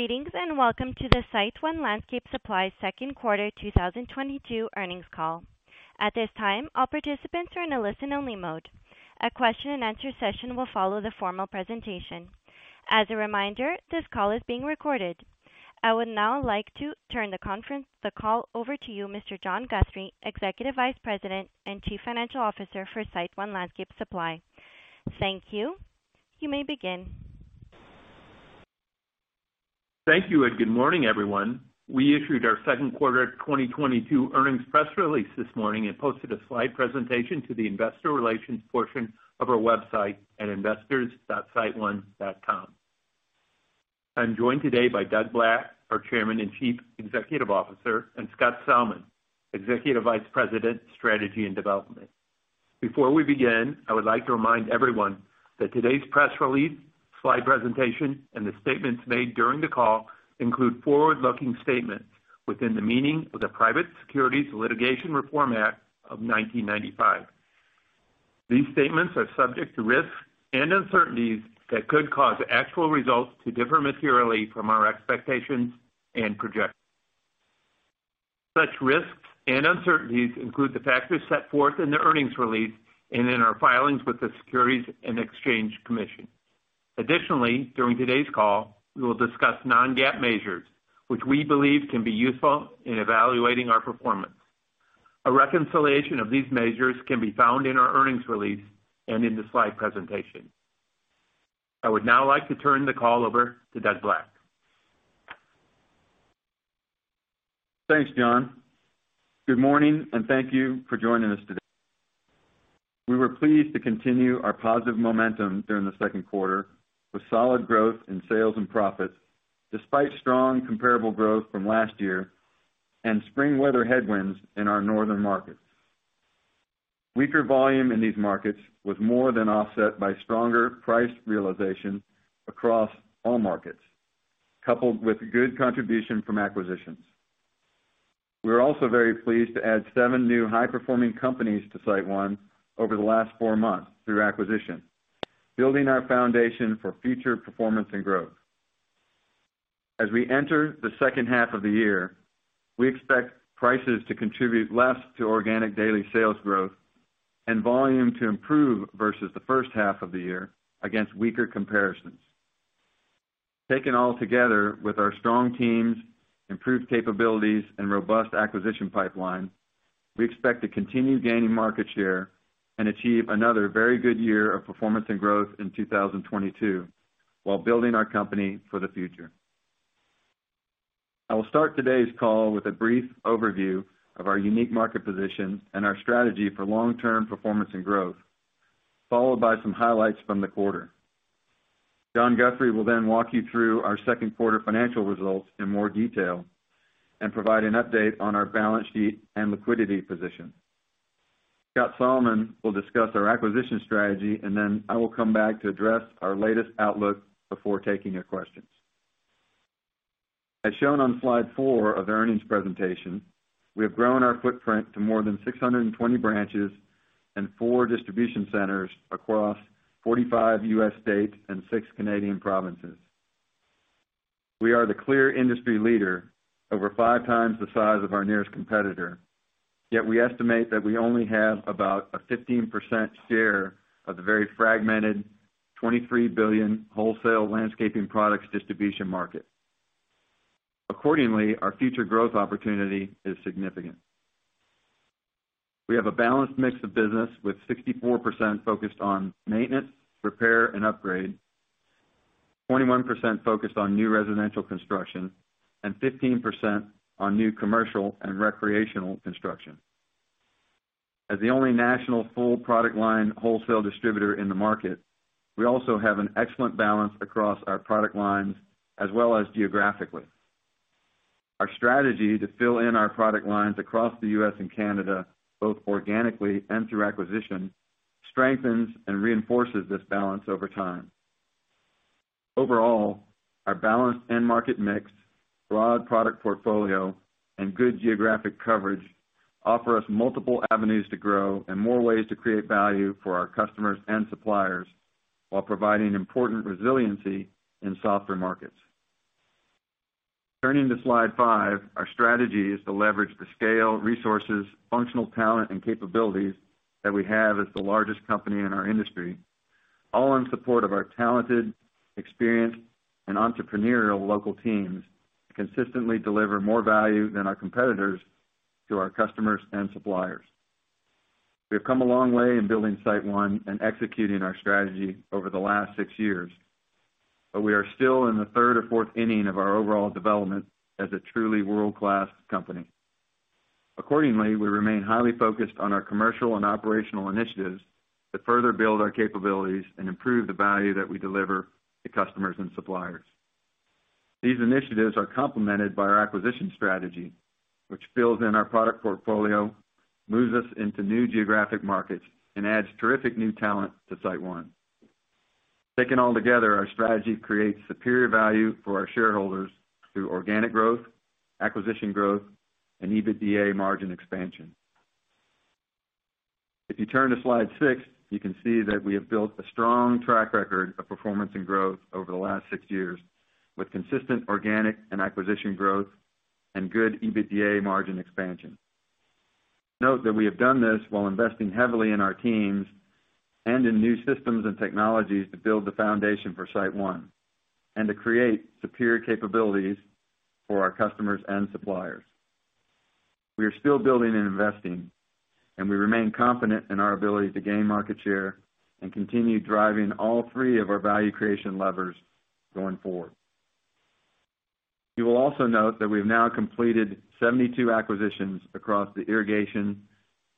Greetings, and welcome to the SiteOne Landscape Supply Q2 2022 earnings call. At this time, all participants are in a listen-only mode. A question and answer session will follow the formal presentation. As a reminder, this call is being recorded. I would now like to turn the call over to you, Mr. John Guthrie, Executive Vice President and Chief Financial Officer for SiteOne Landscape Supply. Thank you. You may begin. Thank you and good morning, everyone. We issued our second quarter 2022 earnings press release this morning and posted a slide presentation to the investor relations portion of our website at investors.siteone.com. I'm joined today by Doug Black, our Chairman and Chief Executive Officer, and Scott Salmon, Executive Vice President, Strategy and Development. Before we begin, I would like to remind everyone that today's press release, slide presentation, and the statements made during the call include forward-looking statements within the meaning of the Private Securities Litigation Reform Act of 1995. These statements are subject to risks and uncertainties that could cause actual results to differ materially from our expectations and projections. Such risks and uncertainties include the factors set forth in the earnings release and in our filings with the Securities and Exchange Commission. Additionally, during today's call, we will discuss non-GAAP measures which we believe can be useful in evaluating our performance. A reconciliation of these measures can be found in our earnings release and in the slide presentation. I would now like to turn the call over to Doug Black. Thanks, John. Good morning, and thank you for joining us today. We were pleased to continue our positive momentum during the second quarter with solid growth in sales and profits despite strong comparable growth from last year and spring weather headwinds in our northern markets. Weaker volume in these markets was more than offset by stronger price realization across all markets, coupled with good contribution from acquisitions. We're also very pleased to add seven new high-performing companies to SiteOne over the last four months through acquisition, building our foundation for future performance and growth. As we enter the second half of the year, we expect prices to contribute less to organic daily sales growth and volume to improve versus the first half of the year against weaker comparisons. Taken all together with our strong teams, improved capabilities, and robust acquisition pipeline, we expect to continue gaining market share and achieve another very good year of performance and growth in 2022 while building our company for the future. I will start today's call with a brief overview of our unique market position and our strategy for long-term performance and growth, followed by some highlights from the quarter. John Guthrie will then walk you through our second quarter financial results in more detail and provide an update on our balance sheet and liquidity position. Scott Salmon will discuss our acquisition strategy, and then I will come back to address our latest outlook before taking your questions. As shown on slide four of the earnings presentation, we have grown our footprint to more than 620 branches and 4 distribution centers across 45 U.S. states and 6 Canadian provinces. We are the clear industry leader, over 5 times the size of our nearest competitor, yet we estimate that we only have about a 15% share of the very fragmented $23 billion wholesale landscaping products distribution market. Accordingly, our future growth opportunity is significant. We have a balanced mix of business with 64% focused on maintenance, repair, and upgrade, 21% focused on new residential construction, and 15% on new commercial and recreational construction. As the only national full product line wholesale distributor in the market, we also have an excellent balance across our product lines as well as geographically. Our strategy to fill in our product lines across the U.S. and Canada, both organically and through acquisition, strengthens and reinforces this balance over time. Overall, our balanced end market mix, broad product portfolio, and good geographic coverage offer us multiple avenues to grow and more ways to create value for our customers and suppliers while providing important resiliency in softer markets. Turning to slide five, our strategy is to leverage the scale, resources, functional talent, and capabilities that we have as the largest company in our industry, all in support of our talented, experienced, and entrepreneurial local teams, to consistently deliver more value than our competitors to our customers and suppliers. We have come a long way in building SiteOne and executing our strategy over the last six years, but we are still in the third or fourth inning of our overall development as a truly world-class company. Accordingly, we remain highly focused on our commercial and operational initiatives to further build our capabilities and improve the value that we deliver to customers and suppliers. These initiatives are complemented by our acquisition strategy, which fills in our product portfolio, moves us into new geographic markets, and adds terrific new talent to SiteOne. Taken all together, our strategy creates superior value for our shareholders through organic growth, acquisition growth, and EBITDA margin expansion. If you turn to slide six, you can see that we have built a strong track record of performance and growth over the last six years, with consistent organic and acquisition growth and good EBITDA margin expansion. Note that we have done this while investing heavily in our teams and in new systems and technologies to build the foundation for SiteOne and to create superior capabilities for our customers and suppliers. We are still building and investing, and we remain confident in our ability to gain market share and continue driving all three of our value creation levers going forward. You will also note that we've now completed 72 acquisitions across the irrigation,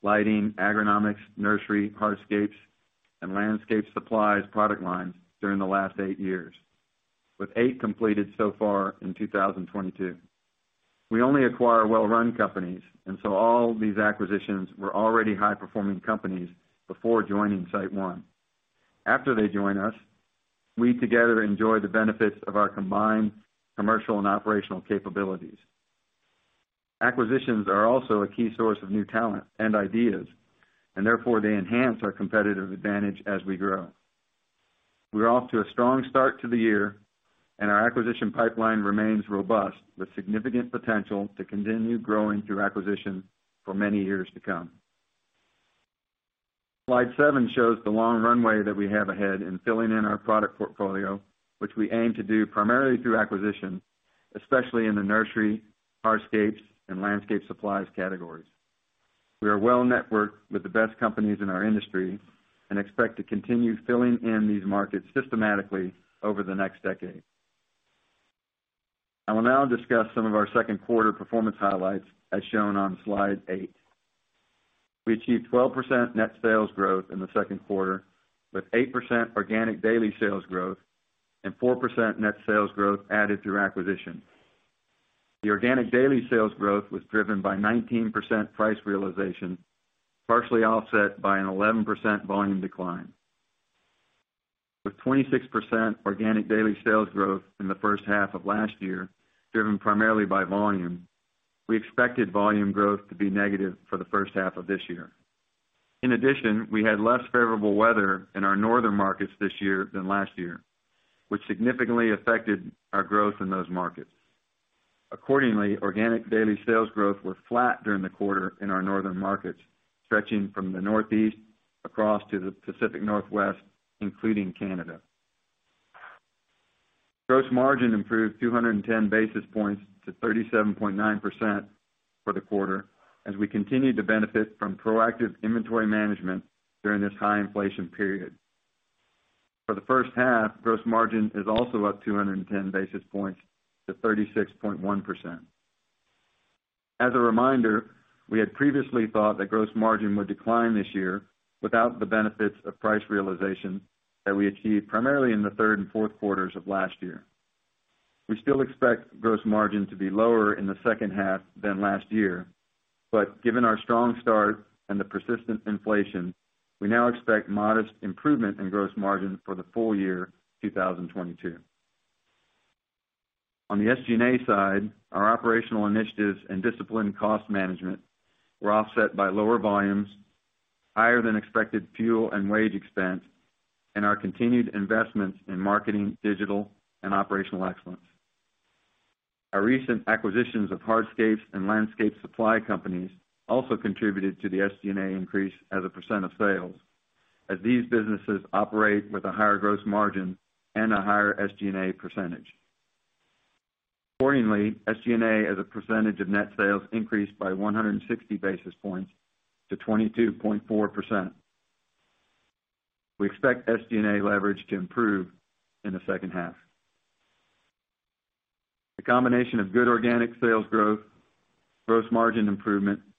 lighting, agronomics, nursery, hardscapes, and landscape supplies product lines during the last eight years, with eight completed so far in 2022. We only acquire well-run companies, and so all these acquisitions were already high-performing companies before joining SiteOne. After they join us, we together enjoy the benefits of our combined commercial and operational capabilities. Acquisitions are also a key source of new talent and ideas, and therefore they enhance our competitive advantage as we grow. We're off to a strong start to the year, and our acquisition pipeline remains robust, with significant potential to continue growing through acquisition for many years to come. Slide seven shows the long runway that we have ahead in filling in our product portfolio, which we aim to do primarily through acquisition, especially in the nursery, hardscapes, and landscape supplies categories. We are well-networked with the best companies in our industry and expect to continue filling in these markets systematically over the next decade. I will now discuss some of our second quarter performance highlights, as shown on slide 8. We achieved 12% net sales growth in the second quarter, with 8% organic daily sales growth and 4% net sales growth added through acquisition. The organic daily sales growth was driven by 19% price realization, partially offset by an 11% volume decline. With 26% organic daily sales growth in the first half of last year, driven primarily by volume, we expected volume growth to be negative for the first half of this year. In addition, we had less favorable weather in our northern markets this year than last year, which significantly affected our growth in those markets. Accordingly, organic daily sales growth were flat during the quarter in our northern markets, stretching from the Northeast across to the Pacific Northwest, including Canada. Gross margin improved 210 basis points to 37.9% for the quarter, as we continued to benefit from proactive inventory management during this high inflation period. For the first half, gross margin is also up 210 basis points to 36.1%. As a reminder, we had previously thought that gross margin would decline this year without the benefits of price realization that we achieved primarily in the third and fourth quarters of last year. We still expect gross margin to be lower in the second half than last year, but given our strong start and the persistent inflation, we now expect modest improvement in gross margin for the full year 2022. On the SG&A side, our operational initiatives and disciplined cost management were offset by lower volumes, higher than expected fuel and wage expense, and our continued investments in marketing, digital, and operational excellence. Our recent acquisitions of hardscapes and landscape supply companies also contributed to the SG&A increase as a % of sales, as these businesses operate with a higher gross margin and a higher SG&A percentage. Accordingly, SG&A, as a percentage of net sales, increased by 160 basis points to 22.4%. We expect SG&A leverage to improve in the second half. The combination of good organic sales growth, gross margin improvement, and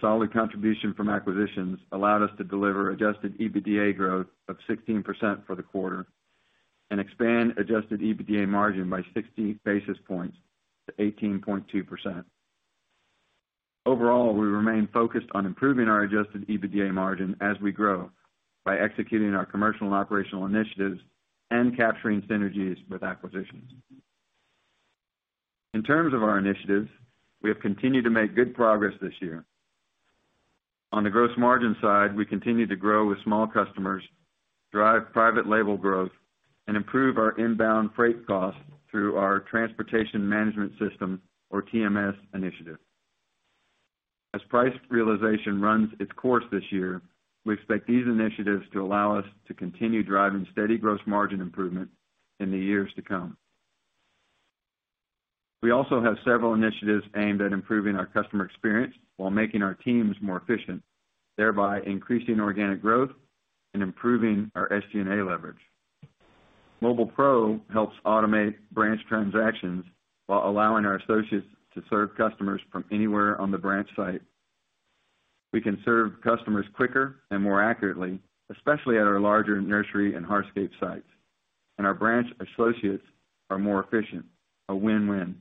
solid contribution from acquisitions allowed us to deliver adjusted EBITDA growth of 16% for the quarter and expand adjusted EBITDA margin by 60 basis points to 18.2%. Overall, we remain focused on improving our adjusted EBITDA margin as we grow by executing our commercial and operational initiatives and capturing synergies with acquisitions. In terms of our initiatives, we have continued to make good progress this year. On the gross margin side, we continue to grow with small customers, drive private label growth, and improve our inbound freight costs through our transportation management system or TMS initiative. As price realization runs its course this year, we expect these initiatives to allow us to continue driving steady gross margin improvement in the years to come. We also have several initiatives aimed at improving our customer experience while making our teams more efficient, thereby increasing organic growth and improving our SG&A leverage. MobilePRO helps automate branch transactions while allowing our associates to serve customers from anywhere on the branch site. We can serve customers quicker and more accurately, especially at our larger nursery and hardscape sites, and our branch associates are more efficient, a win-win.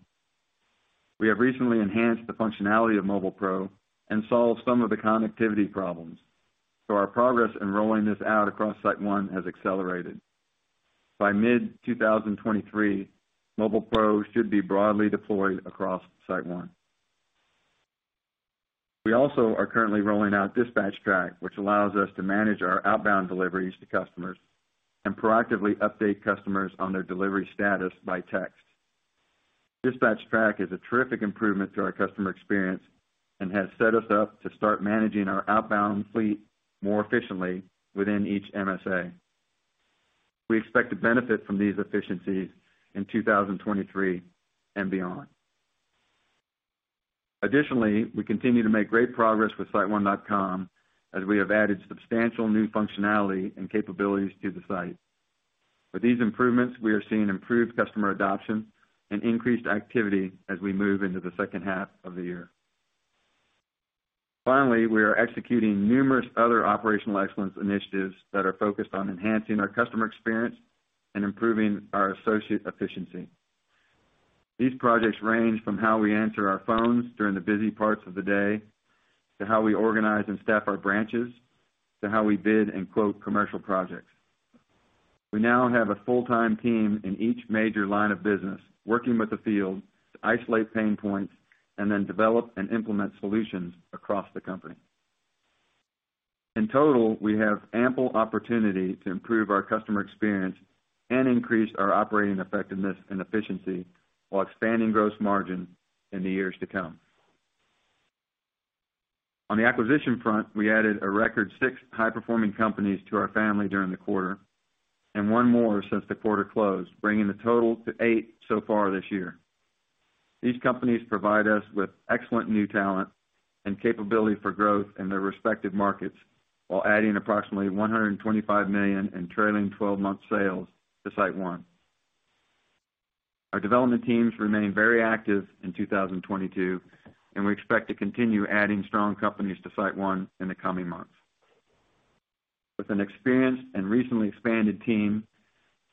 We have recently enhanced the functionality of MobilePRO and solved some of the connectivity problems, so our progress in rolling this out across SiteOne has accelerated. By mid 2023, MobilePRO should be broadly deployed across SiteOne. We also are currently rolling out DispatchTrack, which allows us to manage our outbound deliveries to customers and proactively update customers on their delivery status by text. DispatchTrack is a terrific improvement to our customer experience and has set us up to start managing our outbound fleet more efficiently within each MSA. We expect to benefit from these efficiencies in 2023 and beyond. Additionally, we continue to make great progress with SiteOne.com as we have added substantial new functionality and capabilities to the site. With these improvements, we are seeing improved customer adoption and increased activity as we move into the second half of the year. Finally, we are executing numerous other operational excellence initiatives that are focused on enhancing our customer experience and improving our associate efficiency. These projects range from how we answer our phones during the busy parts of the day, to how we organize and staff our branches, to how we bid and quote commercial projects. We now have a full-time team in each major line of business working with the field to isolate pain points and then develop and implement solutions across the company. In total, we have ample opportunity to improve our customer experience and increase our operating effectiveness and efficiency while expanding gross margin in the years to come. On the acquisition front, we added a record six high-performing companies to our family during the quarter, and one more since the quarter closed, bringing the total to eight so far this year. These companies provide us with excellent new talent and capability for growth in their respective markets while adding approximately $125 million in trailing twelve-month sales to SiteOne. Our development teams remain very active in 2022, and we expect to continue adding strong companies to SiteOne in the coming months. With an experienced and recently expanded team,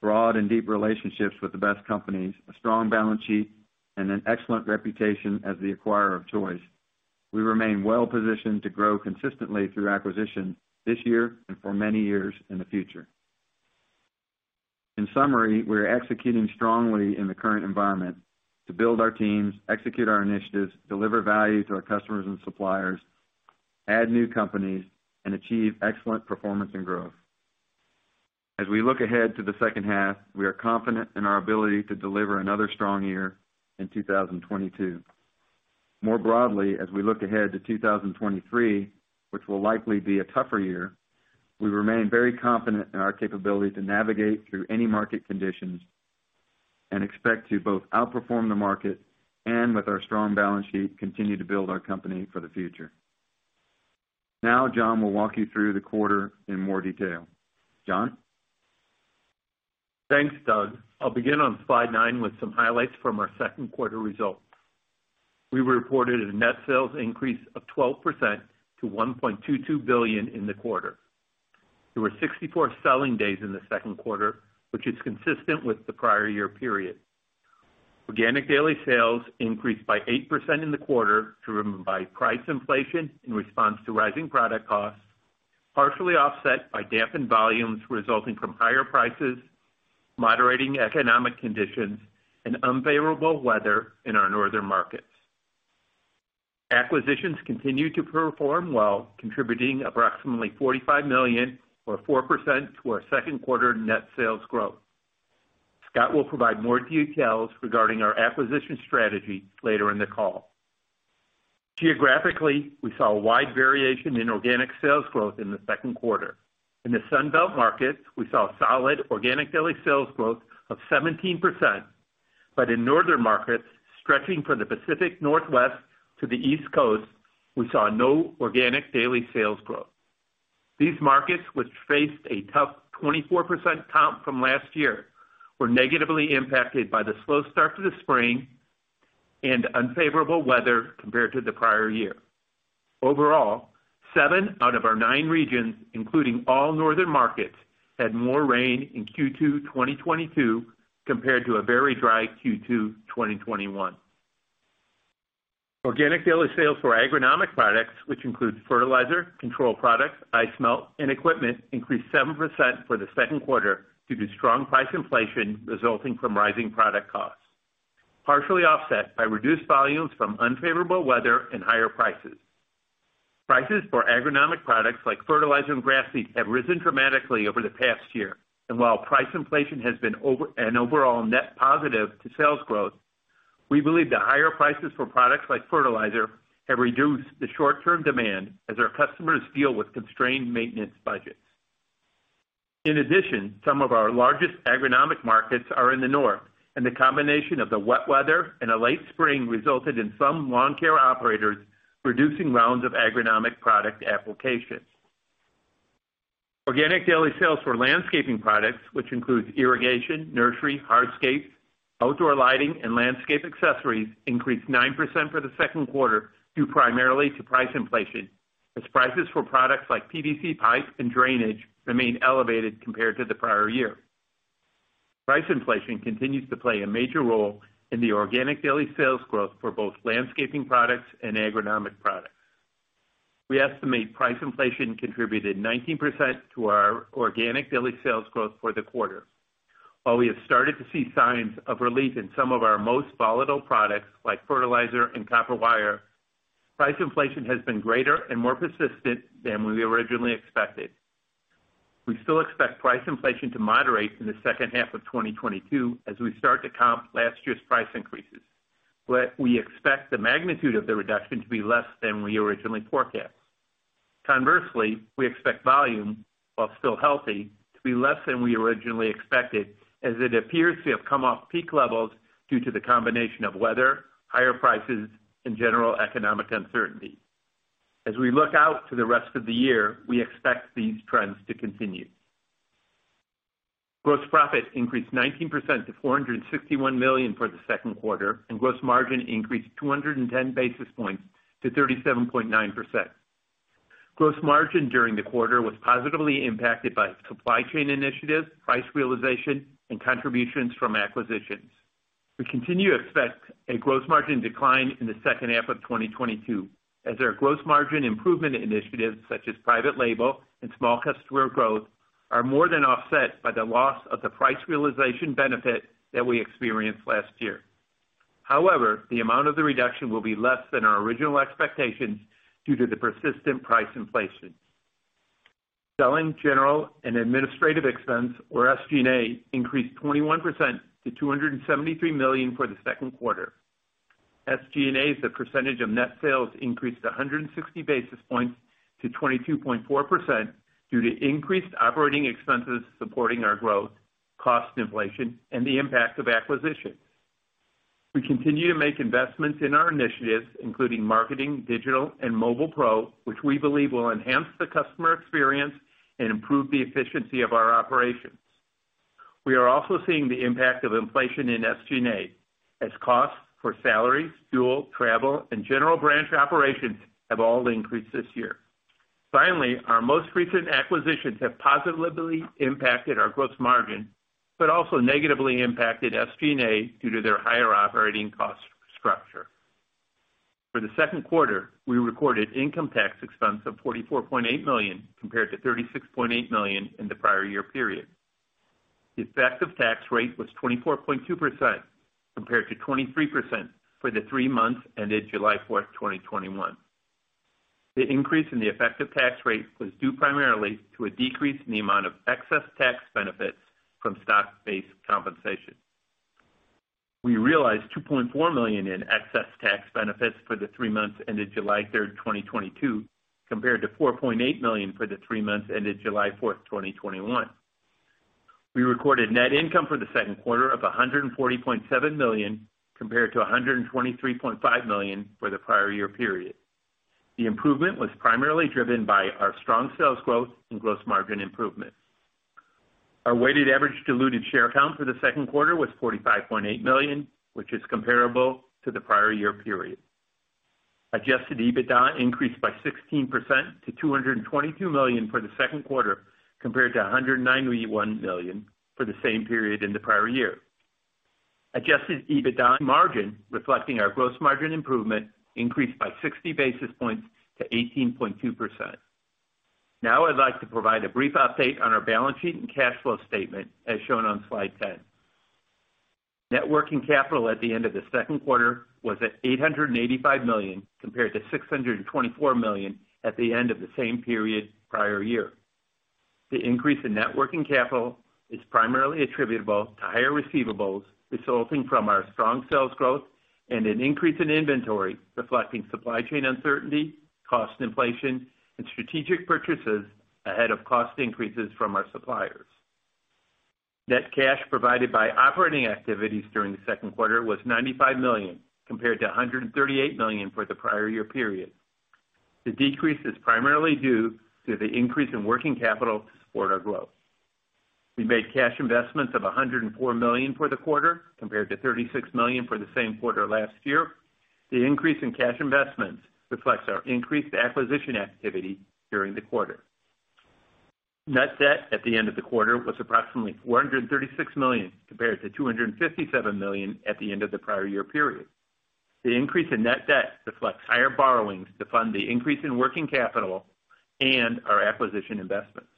broad and deep relationships with the best companies, a strong balance sheet, and an excellent reputation as the acquirer of choice, we remain well positioned to grow consistently through acquisition this year and for many years in the future. In summary, we are executing strongly in the current environment to build our teams, execute our initiatives, deliver value to our customers and suppliers, add new companies, and achieve excellent performance and growth. As we look ahead to the second half, we are confident in our ability to deliver another strong year in 2022. More broadly, as we look ahead to 2023, which will likely be a tougher year, we remain very confident in our capability to navigate through any market conditions and expect to both outperform the market and, with our strong balance sheet, continue to build our company for the future. Now, John will walk you through the quarter in more detail. John? Thanks, Doug. I'll begin on slide nine with some highlights from our second quarter results. We reported a net sales increase of 12% to $1.22 billion in the quarter. There were 64 selling days in the second quarter, which is consistent with the prior year period. Organic daily sales increased by 8% in the quarter, driven by price inflation in response to rising product costs, partially offset by dampened volumes resulting from higher prices, moderating economic conditions, and unfavorable weather in our northern markets. Acquisitions continued to perform well, contributing approximately $45 million, or 4%, to our second quarter net sales growth. Scott will provide more details regarding our acquisition strategy later in the call. Geographically, we saw a wide variation in organic sales growth in the second quarter. In the Sunbelt market, we saw solid organic daily sales growth of 17%, but in northern markets, stretching from the Pacific Northwest to the East Coast, we saw no organic daily sales growth. These markets, which faced a tough 24% comp from last year, were negatively impacted by the slow start to the spring and unfavorable weather compared to the prior year. Overall, 7 out of our 9 regions, including all northern markets, had more rain in Q2-2022 compared to a very dry Q2-2021. Organic daily sales for agronomic products, which includes fertilizer, control products, ice melt, and equipment, increased 7% for the second quarter due to strong price inflation resulting from rising product costs, partially offset by reduced volumes from unfavorable weather and higher prices. Prices for agronomic products like fertilizer and grass seed have risen dramatically over the past year, and while price inflation has been an overall net positive to sales growth, we believe the higher prices for products like fertilizer have reduced the short-term demand as our customers deal with constrained maintenance budgets. In addition, some of our largest agronomic markets are in the north, and the combination of the wet weather and a late spring resulted in some lawn care operators reducing rounds of agronomic product applications. Organic Daily Sales for landscaping products which includes irrigation, nursery, hardscape, outdoor lighting, and landscape accessories increased 9% for the second quarter due primarily to price inflation, as prices for products like PVC pipe and drainage remain elevated compared to the prior year. Price inflation continues to play a major role in the organic daily sales growth for both landscaping products and agronomic products. We estimate price inflation contributed 19% to our organic daily sales growth for the quarter. While we have started to see signs of relief in some of our most volatile products, like fertilizer and copper wire, price inflation has been greater and more persistent than we originally expected. We still expect price inflation to moderate in the second half of 2022 as we start to comp last year's price increases, but we expect the magnitude of the reduction to be less than we originally forecast. Conversely, we expect volume, while still healthy, to be less than we originally expected as it appears to have come off peak levels due to the combination of weather, higher prices and general economic uncertainty. As we look out to the rest of the year, we expect these trends to continue. Gross profit increased 19% to $461 million for the second quarter, and gross margin increased 210 basis points to 37.9%. Gross margin during the quarter was positively impacted by supply chain initiatives, price realization and contributions from acquisitions. We continue to expect a gross margin decline in the second half of 2022 as our gross margin improvement initiatives, such as private label and small customer growth, are more than offset by the loss of the price realization benefit that we experienced last year. However, the amount of the reduction will be less than our original expectations due to the persistent price inflation. Selling, general and administrative expense, or SG&A, increased 21% to $273 million for the second quarter. SG&A as a percentage of net sales increased 160 basis points to 22.4% due to increased operating expenses supporting our growth, cost inflation and the impact of acquisitions. We continue to make investments in our initiatives, including marketing, digital and MobilePRO, which we believe will enhance the customer experience and improve the efficiency of our operations. We are also seeing the impact of inflation in SG&A as costs for salaries, fuel, travel and general branch operations have all increased this year. Finally, our most recent acquisitions have positively impacted our gross margin, but also negatively impacted SG&A due to their higher operating cost structure. For the second quarter, we recorded income tax expense of $44.8 million compared to $36.8 million in the prior year period. The effective tax rate was 24.2% compared to 23% for the three months ended July 4, 2021. The increase in the effective tax rate was due primarily to a decrease in the amount of excess tax benefits from stock-based compensation. We realized $2.4 million in excess tax benefits for the three months ended July 3, 2022, compared to $4.8 million for the three months ended July 4, 2021. We recorded net income for the second quarter of $140.7 million compared to $123.5 million for the prior year period. The improvement was primarily driven by our strong sales growth and gross margin improvements. Our weighted average diluted share count for the second quarter was 45.8 million, which is comparable to the prior year period. Adjusted EBITDA increased by 16% to $222 million for the second quarter compared to $191 million for the same period in the prior year. Adjusted EBITDA margin, reflecting our gross margin improvement, increased by 60 basis points to 18.2%. Now I'd like to provide a brief update on our balance sheet and cash flow statement as shown on slide 10. Net working capital at the end of the second quarter was at $885 million compared to $624 million at the end of the same period prior year. The increase in net working capital is primarily attributable to higher receivables resulting from our strong sales growth and an increase in inventory reflecting supply chain uncertainty, cost inflation and strategic purchases ahead of cost increases from our suppliers. Net cash provided by operating activities during the second quarter was $95 million compared to $138 million for the prior year period. The decrease is primarily due to the increase in working capital to support our growth. We made cash investments of $104 million for the quarter compared to $36 million for the same quarter last year. The increase in cash investments reflects our increased acquisition activity during the quarter. Net debt at the end of the quarter was approximately $436 million compared to $257 million at the end of the prior year period. The increase in net debt reflects higher borrowings to fund the increase in working capital and our acquisition investments.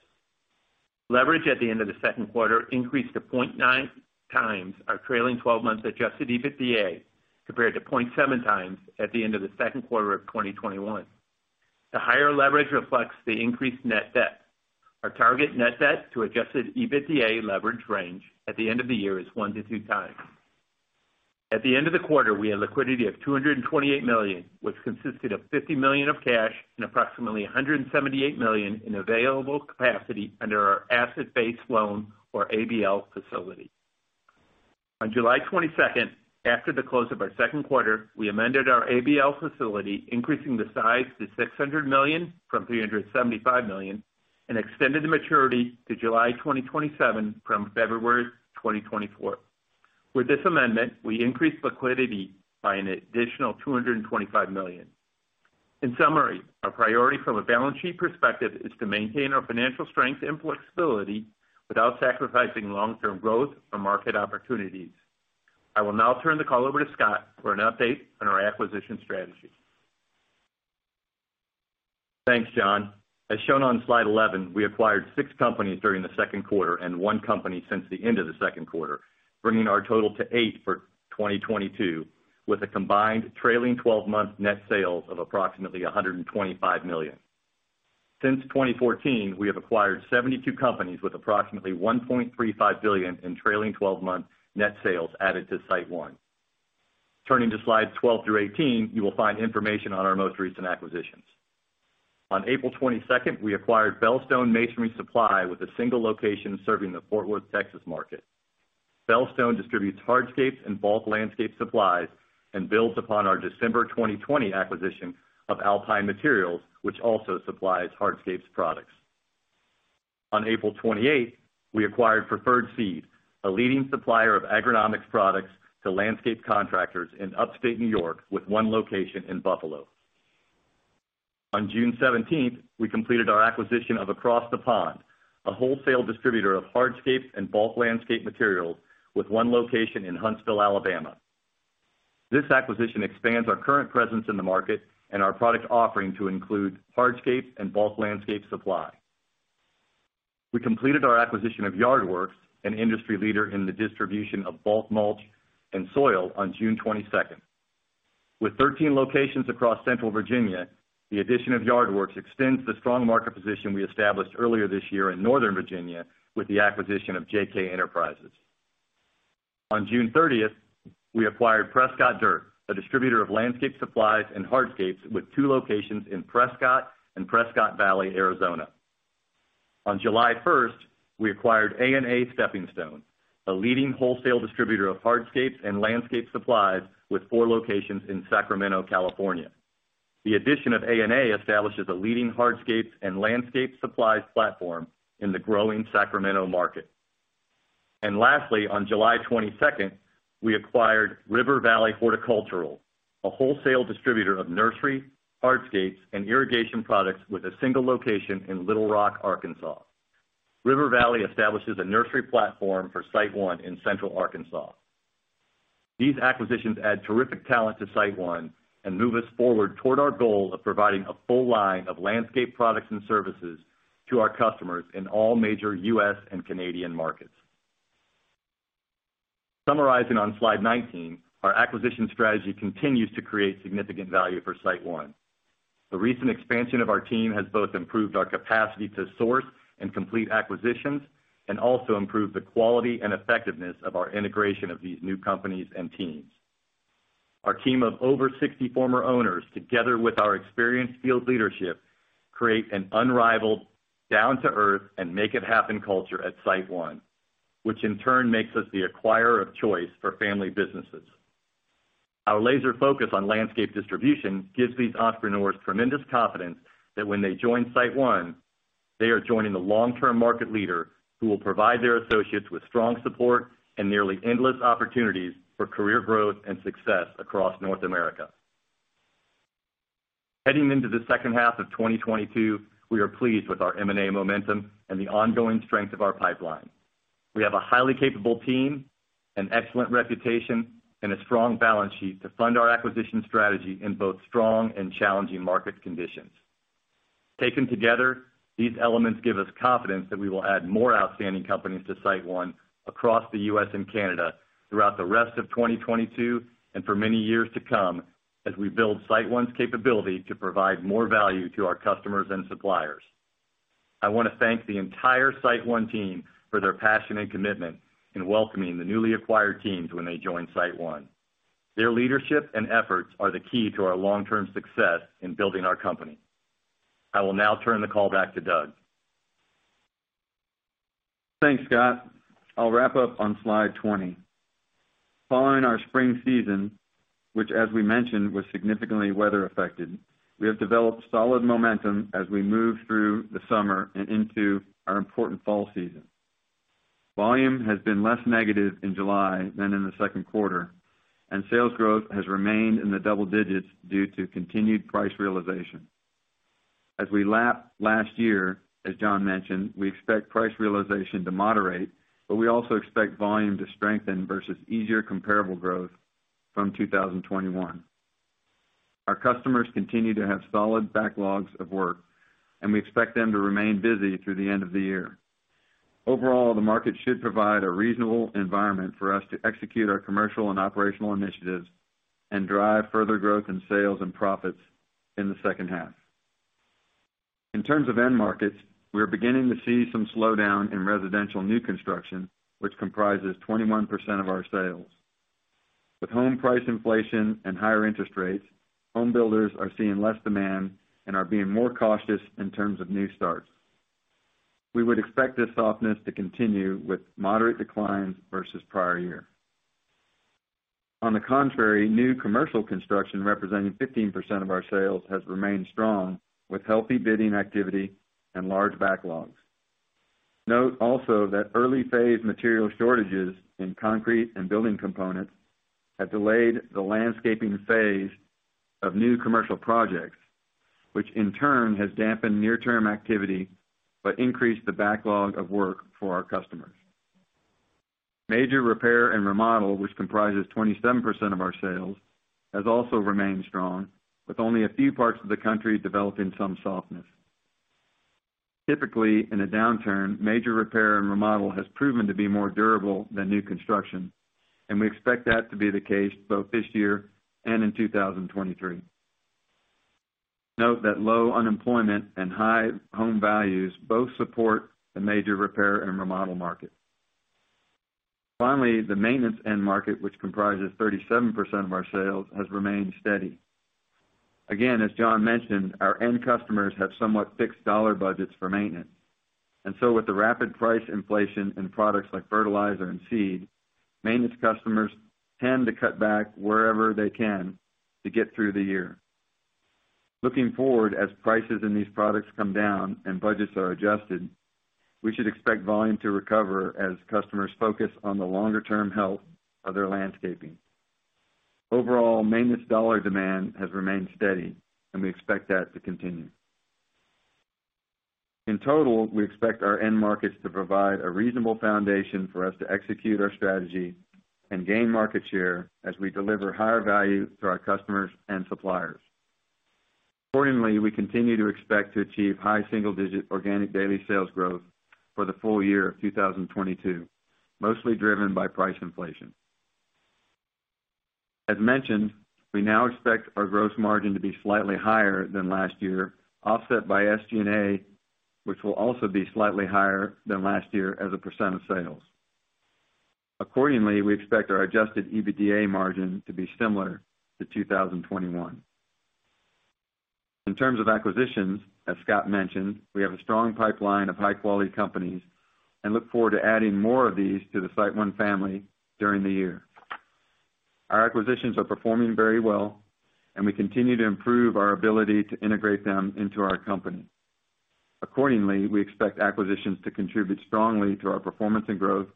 Leverage at the end of the second quarter increased to 0.9 times our trailing twelve months Adjusted EBITDA compared to 0.7 times at the end of the second quarter of 2021. The higher leverage reflects the increased net debt. Our target net debt to Adjusted EBITDA leverage range at the end of the year is 1-2 times. At the end of the quarter, we had liquidity of $228 million, which consisted of $50 million of cash and approximately $178 million in available capacity under our asset-based loan, or ABL facility. On July 22, after the close of our second quarter, we amended our ABL facility, increasing the size to $600 million from $375 million, and extended the maturity to July 2027 from February 2024. With this amendment, we increased liquidity by an additional $225 million. In summary, our priority from a balance sheet perspective is to maintain our financial strength and flexibility without sacrificing long-term growth or market opportunities. I will now turn the call over to Scott for an update on our acquisition strategy. Thanks, John. As shown on slide 11, we acquired 6 companies during the second quarter and 1 company since the end of the second quarter, bringing our total to 8 for 2022, with a combined trailing twelve-month net sales of approximately $125 million. Since 2014, we have acquired 72 companies with approximately $1.35 billion in trailing twelve-month net sales added to SiteOne. Turning to slides 12 through 18, you will find information on our most recent acquisitions. On April 22, we acquired BellStone Masonry Supply with a single location serving the Fort Worth, Texas market. BellStone distributes hardscapes and bulk landscape supplies and builds upon our December 2020 acquisition of Alpine Materials, which also supplies hardscapes products. On April 28, we acquired Preferred Seed, a leading supplier of agronomic products to landscape contractors in upstate New York with 1 location in Buffalo. On June seventeenth, we completed our acquisition of Across the Pond, a wholesale distributor of hardscape and bulk landscape materials with 1 location in Huntsville, Alabama. This acquisition expands our current presence in the market and our product offering to include hardscape and bulk landscape supply. We completed our acquisition of Yard Works, an industry leader in the distribution of bulk mulch and soil on June twenty-second. With 13 locations across Central Virginia, the addition of Yard Works extends the strong market position we established earlier this year in Northern Virginia with the acquisition of JK Enterprises. On June 13th, we acquired Prescott Dirt, a distributor of landscape supplies and hardscapes with 2 locations in Prescott and Prescott Valley, Arizona. On July first, we acquired A&A Stepping Stone a leading wholesale distributor of hardscapes and landscape supplies with 4 locations in Sacramento, California. The addition of A&A establishes a leading hardscapes and landscape supplies platform in the growing Sacramento market. Lastly on July 22, we acquired River Valley Horticultural Products a wholesale distributor of nursery, hardscapes and irrigation products with a single location in Little Rock, Arkansas. River Valley establishes a nursery platform for SiteOne in Central Arkansas. These acquisitions add terrific talent to SiteOne and move us forward toward our goal of providing a full line of landscape products and services to our customers in all major U.S. and Canadian markets. Summarizing on slide 19, our acquisition strategy continues to create significant value for SiteOne. The recent expansion of our team has both improved our capacity to source and complete acquisitions and also improved the quality and effectiveness of our integration of these new companies and teams. Our team of over 60 former owners, together with our experienced field leadership, create an unrivaled down-to-earth and make it happen culture at SiteOne, which in turn makes us the acquirer of choice for family businesses. Our laser focus on landscape distribution gives these entrepreneurs tremendous confidence that when they join SiteOne, they are joining the long-term market leader who will provide their associates with strong support and nearly endless opportunities for career growth and success across North America. Heading into the second half of 2022, we are pleased with our M&A momentum and the ongoing strength of our pipeline. We have a highly capable team, an excellent reputation, and a strong balance sheet to fund our acquisition strategy in both strong and challenging market conditions. Taken together, these elements give us confidence that we will add more outstanding companies to SiteOne across the U.S. and Canada throughout the rest of 2022 and for many years to come, as we build SiteOne's capability to provide more value to our customers and suppliers. I wanna thank the entire SiteOne team for their passion and commitment in welcoming the newly acquired teams when they join SiteOne. Their leadership and efforts are the key to our long-term success in building our company. I will now turn the call back to Doug. Thanks, Scott. I'll wrap up on slide 20. Following our spring season, which as we mentioned, was significantly weather affected, we have developed solid momentum as we move through the summer and into our important fall season. Volume has been less negative in July than in the second quarter, and sales growth has remained in the double digits due to continued price realization. As we lap last year, as John mentioned, we expect price realization to moderate, but we also expect volume to strengthen versus easier comparable growth from 2021. Our customers continue to have solid backlogs of work, and we expect them to remain busy through the end of the year. Overall, the market should provide a reasonable environment for us to execute our commercial and operational initiatives and drive further growth in sales and profits in the second half. In terms of end markets, we are beginning to see some slowdown in residential new construction, which comprises 21% of our sales. With home price inflation and higher interest rates, home builders are seeing less demand and are being more cautious in terms of new starts. We would expect this softness to continue with moderate declines versus prior year. On the contrary, new commercial construction, representing 15% of our sales, has remained strong with healthy bidding activity and large backlogs. Note also that early phase material shortages in concrete and building components have delayed the landscaping phase of new commercial projects, which in turn has dampened near-term activity but increased the backlog of work for our customers. Major repair and remodel, which comprises 27% of our sales, has also remained strong, with only a few parts of the country developing some softness. Typically, in a downturn, major repair and remodel has proven to be more durable than new construction, and we expect that to be the case both this year and in 2023. Note that low unemployment and high home values both support the major repair and remodel market. Finally, the maintenance end market, which comprises 37% of our sales, has remained steady. Again, as John mentioned, our end customers have somewhat fixed dollar budgets for maintenance, and so with the rapid price inflation in products like fertilizer and seed, maintenance customers tend to cut back wherever they can to get through the year. Looking forward, as prices in these products come down and budgets are adjusted, we should expect volume to recover as customers focus on the longer term health of their landscaping. Overall, maintenance dollar demand has remained steady and we expect that to continue. In total, we expect our end markets to provide a reasonable foundation for us to execute our strategy and gain market share as we deliver higher value to our customers and suppliers. Accordingly, we continue to expect to achieve high single-digit organic daily sales growth for the full year of 2022, mostly driven by price inflation. As mentioned, we now expect our gross margin to be slightly higher than last year, offset by SG&A, which will also be slightly higher than last year as a % of sales. Accordingly, we expect our Adjusted EBITDA margin to be similar to 2021. In terms of acquisitions, as Scott mentioned we have a strong pipeline of high-quality companies and look forward to adding more of these to the SiteOne family during the year. Our acquisitions are performing very well and we continue to improve our ability to integrate them into our company. Accordingly, we expect acquisitions to contribute strongly to our performance and growth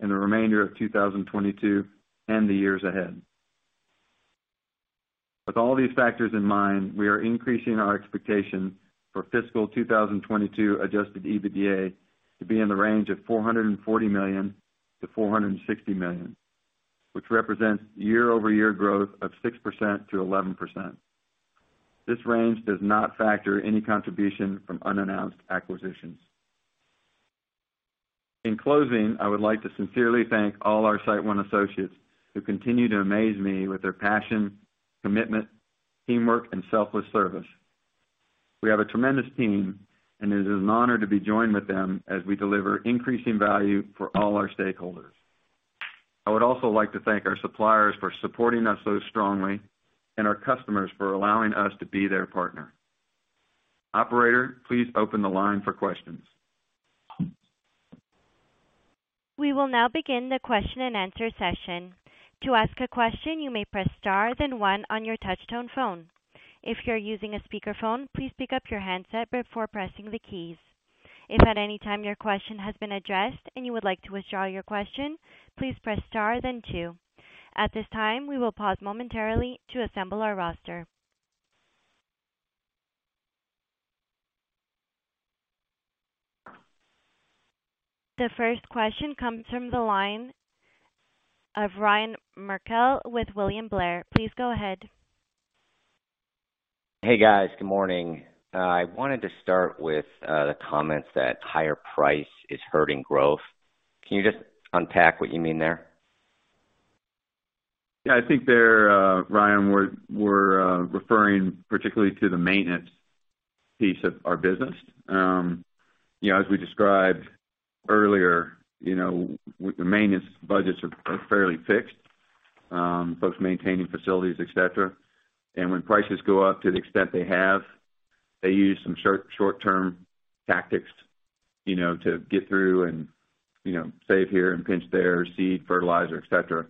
in the remainder of 2022 and the years ahead. With all these factors in mind, we are increasing our expectation for fiscal 2022 Adjusted EBITDA to be in the range of $440 million-$460 million, which represents year-over-year growth of 6%-11%. This range does not factor any contribution from unannounced acquisitions. In closing, I would like to sincerely thank all our SiteOne associates who continue to amaze me with their passion, commitment, teamwork, and selfless service. We have a tremendous team and it is an honor to be joined with them as we deliver increasing value for all our stakeholders. I would also like to thank our suppliers for supporting us so strongly and our customers for allowing us to be their partner. Operator, please open the line for questions. We will now begin the question-and-answer session. To ask a question, you may press star, then one on your touch-tone phone. If you're using a speakerphone, please pick up your handset before pressing the keys. If at any time your question has been addressed and you would like to withdraw your question, please press star then two. At this time, we will pause momentarily to assemble our roster. The first question comes from the line of Ryan Merkel with William Blair. Please go ahead. Hey, guys. Good morning. I wanted to start with the comments that higher price is hurting growth. Can you just unpack what you mean there? Yeah, I think Ryan, we're referring particularly to the maintenance piece of our business. You know, as we described earlier, you know, maintenance budgets are fairly fixed, folks maintaining facilities, et cetera. When prices go up to the extent they have, they use some short-term tactics, you know, to get through and, you know, save here and pinch there, seed, fertilizer, et cetera.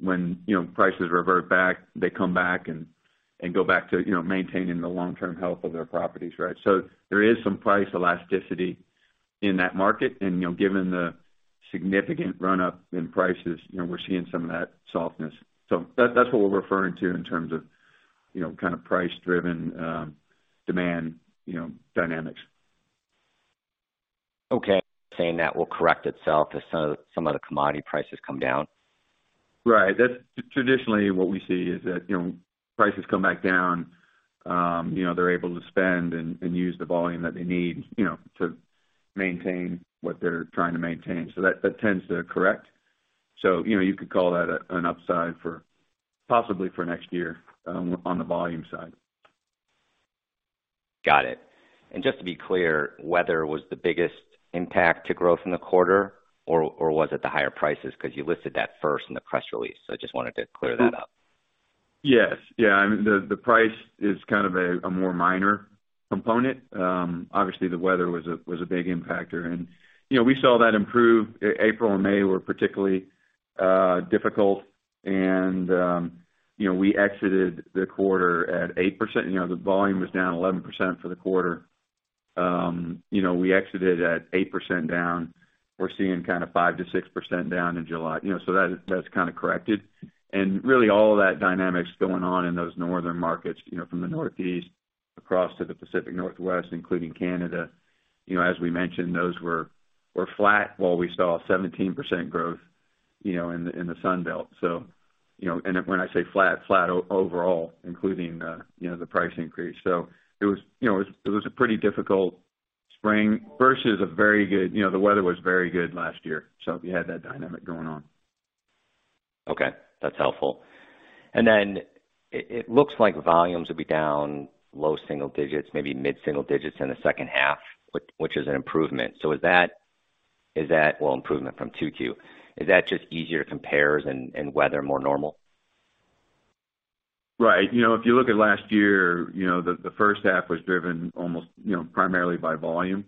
When, you know, prices revert back, they come back and go back to, you know, maintaining the long-term health of their properties, right? There is some price elasticity in that market. You know, given the significant run-up in prices, you know, we're seeing some of that softness. That's what we're referring to in terms of you know kind of price-driven demand you know dynamics. Okay. Saying that will correct itself as some of the commodity prices come down? Right. That's traditionally what we see is that, you know, prices come back down you know they're able to spend and use the volume that they need, you know to maintain what they're trying to maintain. That tends to correct. You know, you could call that an upside for possibly for next year on the volume side. Got it. Just to be clear, weather was the biggest impact to growth in the quarter or was it the higher prices? 'Cause you listed that first in the press release, so I just wanted to clear that up. Yes. Yeah. I mean the price is kind of a more minor component. Obviously the weather was a big impactor and, you know, we saw that improve. April and May were particularly difficult. You know, we exited the quarter at 8%. You know, the volume was down 11% for the quarter. You know, we exited at 8% down. We're seeing kind of 5%-6% down in July. You know, so that's kind of corrected. Really all of that dynamic is going on in those northern markets, you know, from the Northeast across to the Pacific Northwest, including Canada. You know, as we mentioned those were flat while we saw 17% growth you know in the Sun Belt. You know and when I say flat overall including, you know the price increase. It was you know a pretty difficult spring versus a very good. You know, the weather was very good last year so we had that dynamic going on. Okay, that's helpful. It looks like volumes will be down low single digits, maybe mid-single digits in the second half, which is an improvement. Well, improvement from 2Q. Is that just easier compares and weather more normal? Right. You know, if you look at last year, you know, the first half was driven almost, you know, primarily by volume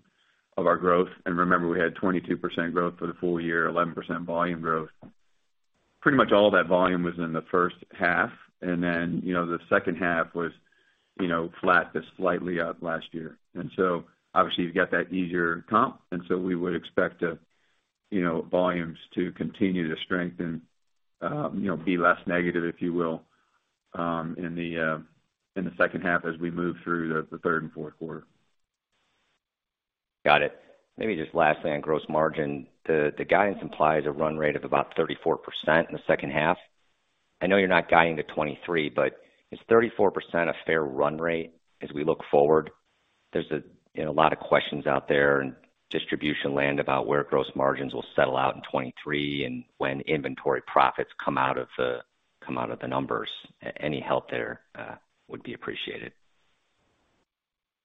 of our growth. Remember, we had 22% growth for the full year, 11% volume growth. Pretty much all that volume was in the first half. Then, you know, the second half was, you know, flat to slightly up last year. So obviously, you've got that easier comp. We would expect to, you know, volumes to continue to strengthen, you know, be less negative, if you will, in the second half as we move through the third and fourth quarter. Got it. Maybe just lastly on gross margin. The guidance implies a run rate of about 34% in the second half. I know you're not guiding to 2023, but is 34% a fair run rate as we look forward? There's, you know, a lot of questions out there in distribution land about where gross margins will settle out in 2023 and when inventory profits come out of the numbers. Any help there would be appreciated.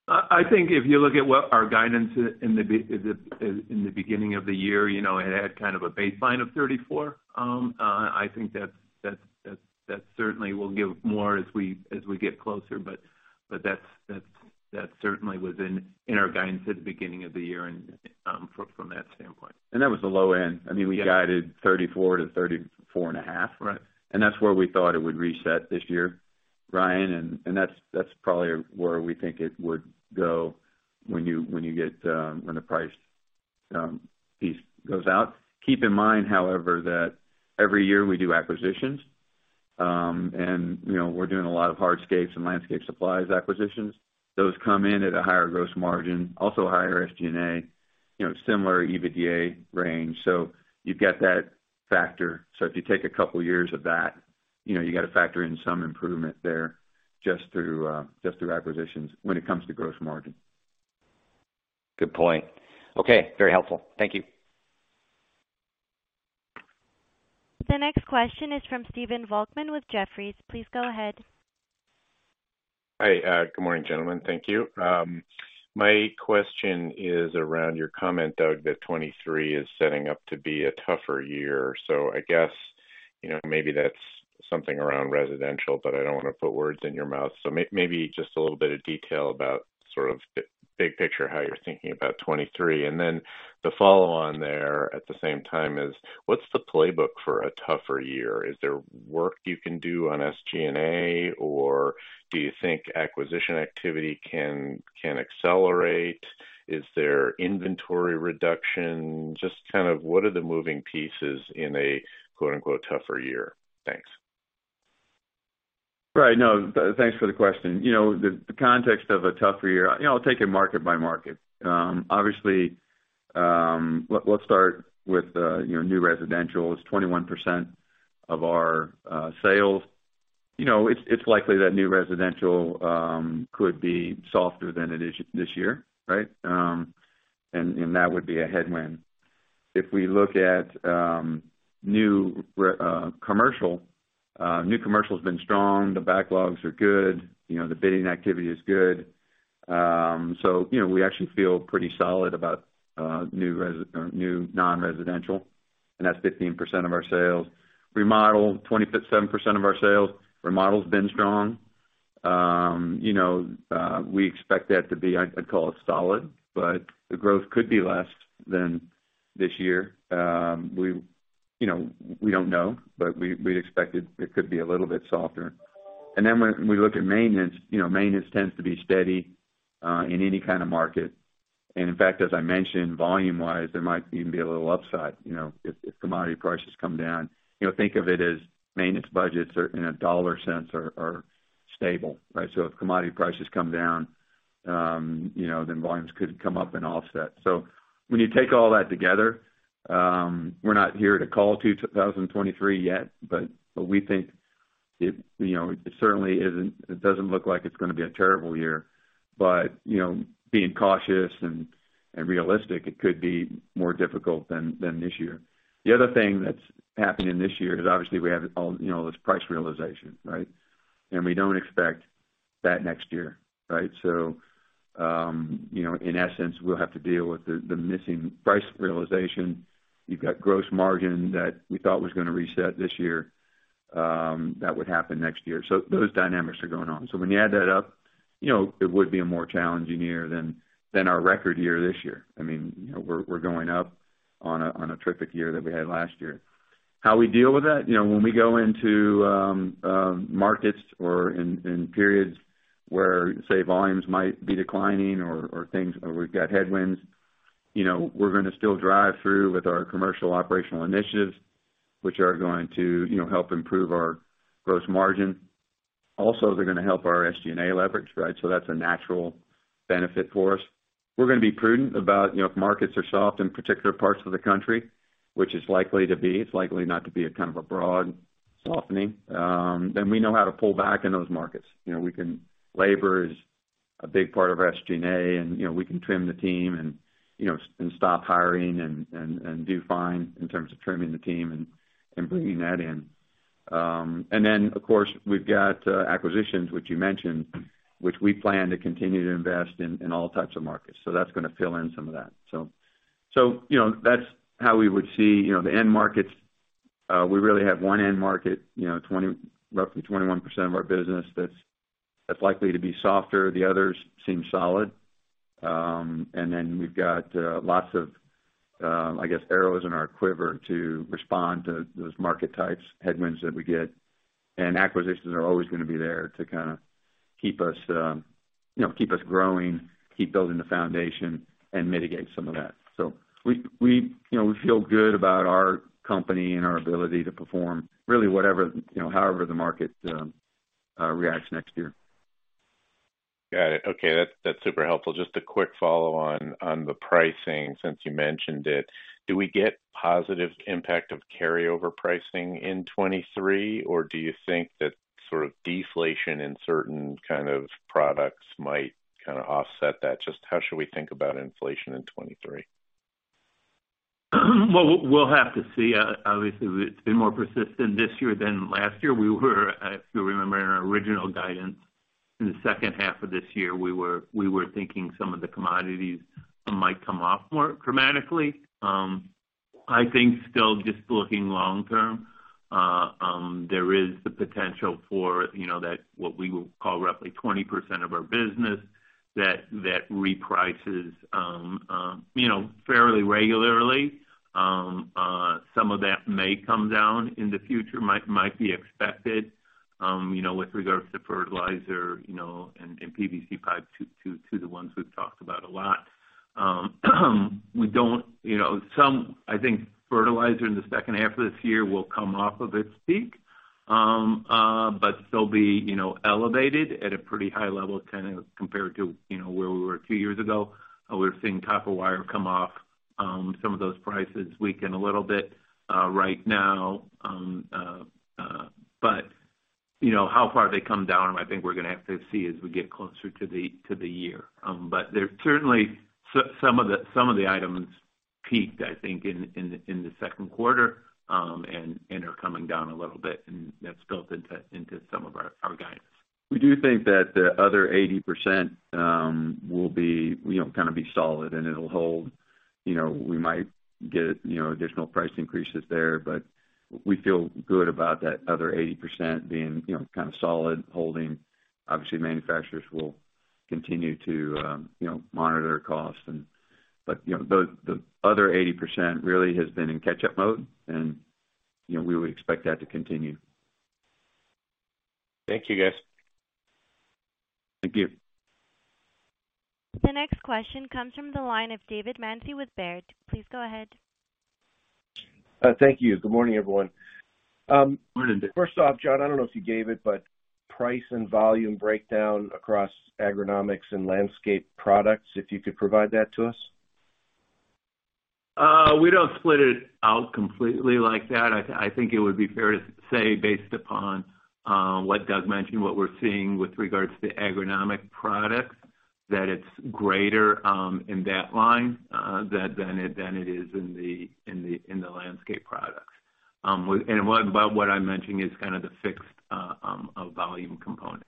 I think if you look at what our guidance in the beginning of the year, you know, it had kind of a baseline of 34. I think that certainly will give more as we get closer, but that certainly was in our guidance at the beginning of the year and from that standpoint. That was the low end. I mean, we guided 34 to 34.5. Right. That's where we thought it would reset this year, Ryan. That's probably where we think it would go when the price piece goes out. Keep in mind, however, that every year we do acquisitions, and, you know, we're doing a lot of hardscapes and landscape supplies acquisitions. Those come in at a higher gross margin, also higher SG&A, you know, similar EBITDA range. You've got that factor. If you take a couple of years of that, you know, you got to factor in some improvement there just through acquisitions when it comes to gross margin. Good point. Okay. Very helpful. Thank you. The next question is from Stephen Volkmann with Jefferies. Please go ahead. Hi. Good morning, gentlemen. Thank you. My question is around your comment, Doug, that 2023 is setting up to be a tougher year. I guess, you know, maybe that's something around residential, but I don't wanna put words in your mouth. Maybe just a little bit of detail about sort of the big picture, how you're thinking about 2023. Then the follow on there at the same time is, what's the playbook for a tougher year? Is there work you can do on SG&A, or do you think acquisition activity can accelerate? Is there inventory reduction? Just kind of what are the moving pieces in a quote-unquote tougher year? Thanks. Right. No, thanks for the question. You know, the context of a tougher year, you know, I'll take it market by market. Obviously, let's start with, you know, new residential. It's 21% of our sales. You know, it's likely that new residential could be softer than it is this year, right? That would be a headwind. If we look at new commercial, new commercial has been strong. The backlogs are good. You know, the bidding activity is good. You know, we actually feel pretty solid about new non-residential, and that's 15% of our sales. Remodel, 27% of our sales. Remodel's been strong. You know, we expect that to be, I'd call it solid, but the growth could be less than this year. You know, we don't know, but we'd expect it could be a little bit softer. Then when we look at maintenance, you know, maintenance tends to be steady in any kind of market. In fact, as I mentioned, volume-wise, there might even be a little upside, you know, if commodity prices come down. You know, think of it as maintenance budgets are, in a dollar sense, stable, right? If commodity prices come down, you know, then volumes could come up and offset. When you take all that together, we're not here to call 2023 yet, but we think it, you know, it certainly isn't. It doesn't look like it's gonna be a terrible year. You know, being cautious and realistic, it could be more difficult than this year. The other thing that's happening this year is obviously we have all, you know, this price realization, right? We don't expect that next year, right? You know, in essence, we'll have to deal with the missing price realization. You've got gross margin that we thought was gonna reset this year, that would happen next year. Those dynamics are going on. When you add that up, you know, it would be a more challenging year than our record year this year. I mean, you know, we're going up on a terrific year that we had last year. How we deal with that, you know, when we go into markets or in periods where, say, volumes might be declining or we've got headwinds, you know, we're gonna still drive through with our commercial operational initiatives, which are going to, you know, help improve our gross margin. Also, they're gonna help our SG&A leverage, right? So that's a natural benefit for us. We're gonna be prudent about, you know, if markets are soft in particular parts of the country, which is likely to be. It's likely not to be a kind of a broad softening. Then we know how to pull back in those markets. You know, we can. Labor is a big part of our SG&A, and you know, we can trim the team and you know, stop hiring and do fine in terms of trimming the team and bringing that in. Of course, we've got acquisitions which you mentioned, which we plan to continue to invest in all types of markets. That's gonna fill in some of that. You know, that's how we would see you know, the end markets. We really have one end market, you know, roughly 21% of our business that's likely to be softer. The others seem solid. We've got lots of I guess, arrows in our quiver to respond to those market types headwinds that we get. Acquisitions are always gonna be there to kinda keep us, you know, keep us growing, keep building the foundation and mitigate some of that. We, you know, we feel good about our company and our ability to perform really whatever, you know, however the market reacts next year. Got it. Okay. That's super helpful. Just a quick follow-on on the pricing since you mentioned it. Do we get positive impact of carryover pricing in 2023, or do you think that sort of deflation in certain kind of products might kinda offset that? Just how should we think about inflation in 2023? Well, we'll have to see. Obviously it's been more persistent this year than last year. If you remember, in our original guidance in the second half of this year, we were thinking some of the commodities might come off more dramatically. I think still just looking long term, there is the potential for, you know, that what we will call roughly 20% of our business that reprices, you know, fairly regularly. Some of that may come down in the future, might be expected, you know, with regards to fertilizer, you know, and PVC pipe, to the ones we've talked about a lot. We don't, you know, some. I think fertilizer in the second half of this year will come off of its peak, but still be, you know, elevated at a pretty high level, kind of compared to, you know, where we were two years ago. We're seeing copper wire come off, some of those prices weaken a little bit, right now. You know, how far they come down, I think we're gonna have to see as we get closer to the year. They're certainly some of the items peaked, I think, in the second quarter, and are coming down a little bit, and that's built into some of our guidance. We do think that the other 80%, will be, you know, kinda be solid, and it'll hold. You know, we might get, you know, additional price increases there, but we feel good about that other 80% being, you know, kind of solid holding. Obviously, manufacturers will continue to, you know, monitor costs. You know, the other 80% really has been in catch-up mode and, you know, we would expect that to continue. Thank you, guys. Thank you. The next question comes from the line of David Manthey with Baird. Please go ahead. Thank you. Good morning, everyone. Morning, David. First off, John, I don't know if you gave it, but price and volume breakdown across agronomic and landscape products, if you could provide that to us. We don't split it out completely like that. I think it would be fair to say based upon what Doug mentioned, what we're seeing with regards to agronomic products, that it's greater in that line than it is in the landscape products. What I'm mentioning is kind of the fixed volume component.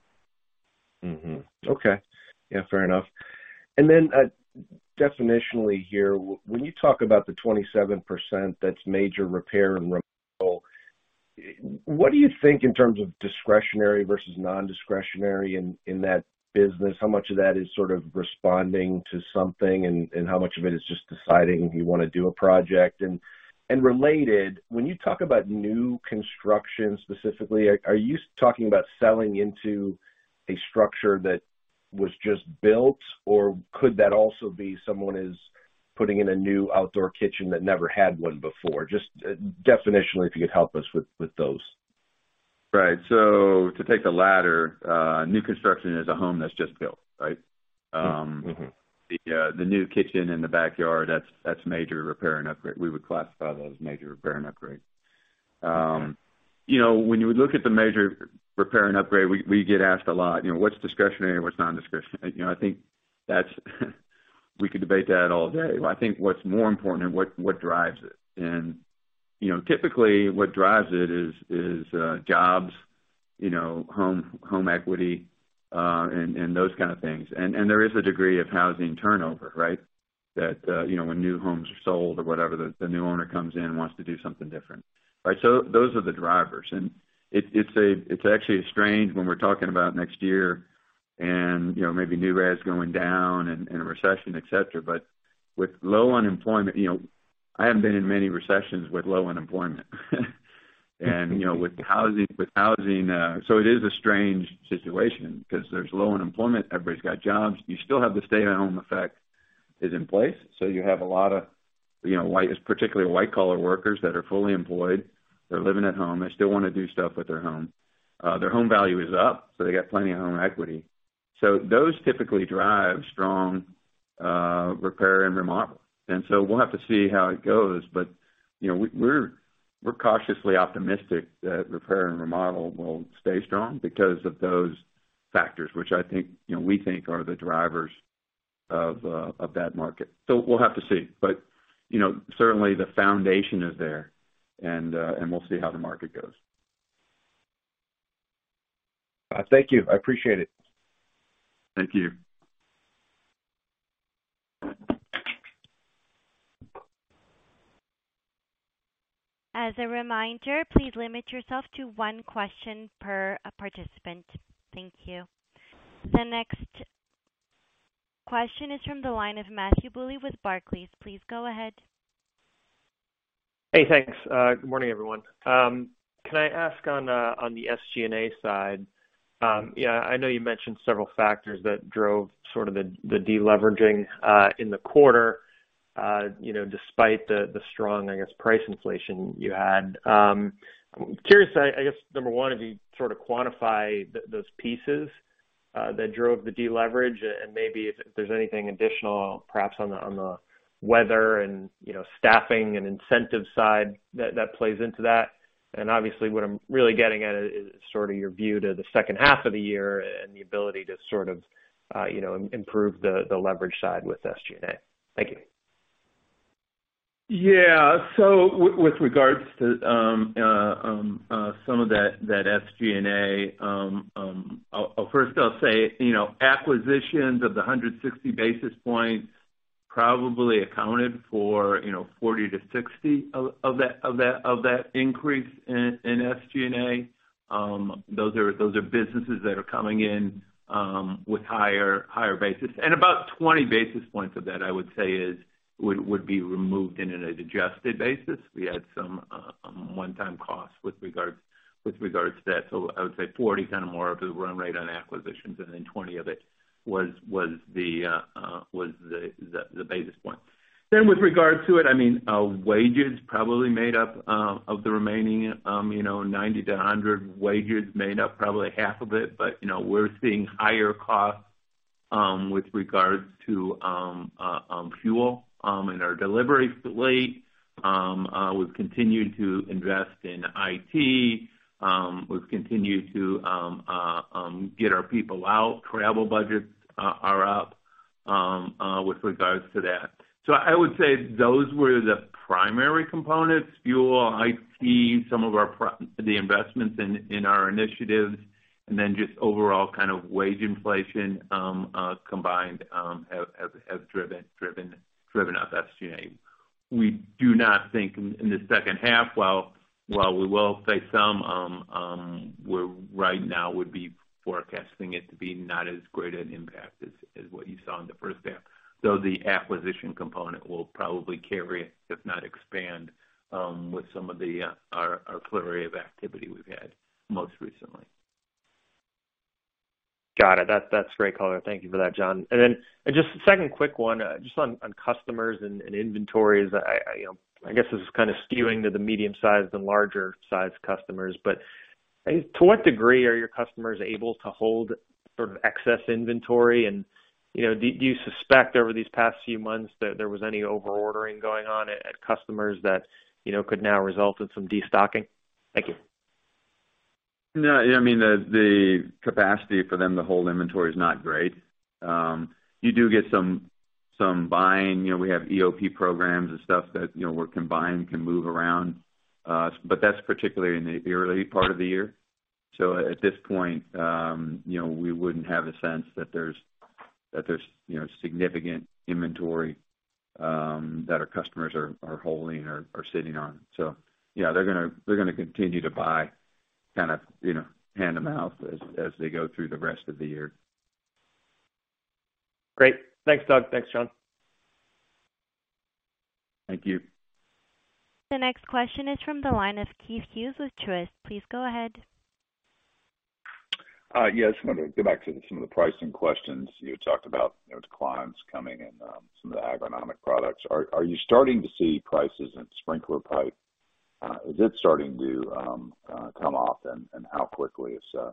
Definitionally here, when you talk about the 27% that's major repair and remodel, what do you think in terms of discretionary versus non-discretionary in that business? How much of that is sort of responding to something and how much of it is just deciding if you wanna do a project? Related, when you talk about new construction specifically, are you talking about selling into a structure that was just built, or could that also be someone is putting in a new outdoor kitchen that never had one before? Just definitionally, if you could help us with those. Right. To take the latter, new construction is a home that's just built, right? Mm-hmm. The new kitchen in the backyard, that's major repair and upgrade. We would classify that as major repair and upgrade. You know, when you look at the major repair and upgrade, we get asked a lot, you know, what's discretionary and what's non-discretionary? You know, I think we could debate that all day. I think what's more important and what drives it. You know, typically what drives it is jobs, you know, home equity, and those kind of things. There is a degree of housing turnover, right? That you know, when new homes are sold or whatever, the new owner comes in and wants to do something different, right? Those are the drivers. It's actually strange when we're talking about next year and, you know, maybe new res going down and a recession, et cetera. But With low unemployment, you know, I haven't been in many recessions with low unemployment. You know, with housing, it is a strange situation because there's low unemployment, everybody's got jobs. You still have the stay-at-home effect is in place. You have a lot of, you know, particularly white-collar workers that are fully employed. They're living at home. They still wanna do stuff with their home. Their home value is up, so they got plenty of home equity. Those typically drive strong, repair and remodel. We'll have to see how it goes. You know, we're cautiously optimistic that repair and remodel will stay strong because of those factors, which I think, you know, we think are the drivers of that market. We'll have to see. You know, certainly the foundation is there, and we'll see how the market goes. Thank you. I appreciate it. Thank you. As a reminder, please limit yourself to one question per participant. Thank you. The next question is from the line of Matthew Bouley with Barclays. Please go ahead. Hey, thanks. Good morning, everyone. Can I ask on the SG&A side? Yeah, I know you mentioned several factors that drove sort of the deleveraging in the quarter, you know, despite the strong, I guess, price inflation you had. I'm curious, I guess, number one, if you sort of quantify those pieces that drove the deleverage and maybe if there's anything additional perhaps on the weather and, you know, staffing and incentive side that plays into that. Obviously, what I'm really getting at is sort of your view to the second half of the year and the ability to sort of, you know, improve the leverage side with SG&A. Thank you. Yeah. With regards to some of that SG&A, I'll first say, you know, acquisitions of the 160 basis points probably accounted for, you know, 40-60 of that increase in SG&A. Those are businesses that are coming in with higher basis. About 20 basis points of that I would say would be removed in an adjusted basis. We had some one-time costs with regards to that. I would say 40 kind of more of it were run right on acquisitions, and then 20 of it was the basis point. With regard to IT, I mean, wages probably made up of the remaining, you know, 90-100. Wages made up probably half of it. You know, we're seeing higher costs with regards to fuel in our delivery fleet. We've continued to invest in IT. We've continued to get our people out. Travel budgets are up with regards to that. I would say those were the primary components, fuel, IT, some of the investments in our initiatives, and then just overall kind of wage inflation combined have driven up SG&A. We do not think in the second half, while we will see some. Right now we would be forecasting it to be not as great an impact as what you saw in the first half, though the acquisition component will probably carry, if not expand, with some of our flurry of activity we've had most recently. Got it. That's great color. Thank you for that, John. Just a second quick one, just on customers and inventories. You know, I guess this is kind of skewing to the medium-sized and larger-sized customers, but to what degree are your customers able to hold sort of excess inventory? You know, do you suspect over these past few months that there was any over ordering going on at customers that, you know, could now result in some destocking? Thank you. No. I mean, the capacity for them to hold inventory is not great. You do get some buying. You know, we have EOP programs and stuff that, you know, where combined can move around. That's particularly in the early part of the year. At this point, you know, we wouldn't have a sense that there's, you know, significant inventory that our customers are holding or sitting on. Yeah, they're gonna continue to buy kind of, you know, hand to mouth as they go through the rest of the year. Great. Thanks, Doug. Thanks, John. Thank you. The next question is from the line of Keith Hughes with Truist. Please go ahead. Yes, I wanted to go back to some of the pricing questions. You had talked about, you know, declines coming in, some of the agronomic products. Are you starting to see prices in sprinkler pipe? Is it starting to come off and how quickly is that?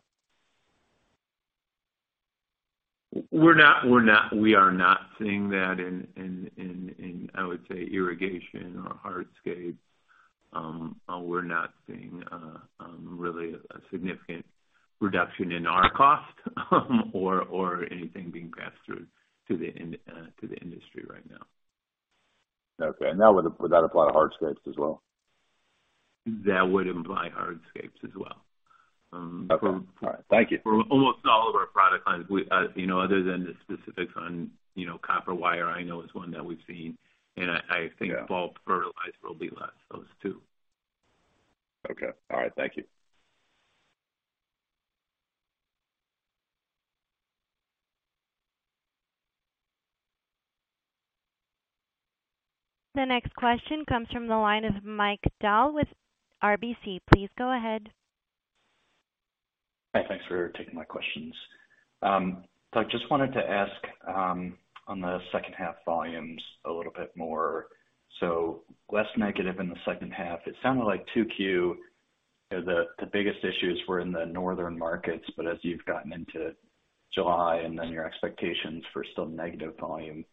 We are not seeing that in, I would say, irrigation or hardscape. We're not seeing really a significant reduction in our cost or anything being passed through to the industry right now. Okay. That would apply to hardscapes as well? That would imply hardscapes as well. Okay. All right. Thank you. For almost all of our product lines, we, you know, other than the specifics on, you know, copper wire, I know is one that we've seen. I think- Yeah. Bulk fertilizer will be less. Those two. Okay. All right. Thank you. The next question comes from the line of Michael Dahl with RBC. Please go ahead. Hi. Thanks for taking my questions. I just wanted to ask on the second half volumes a little bit more. Less negative in the second half. It sounded like 2Q, you know, the biggest issues were in the northern markets, but as you've gotten into July and then your expectations for still negative volume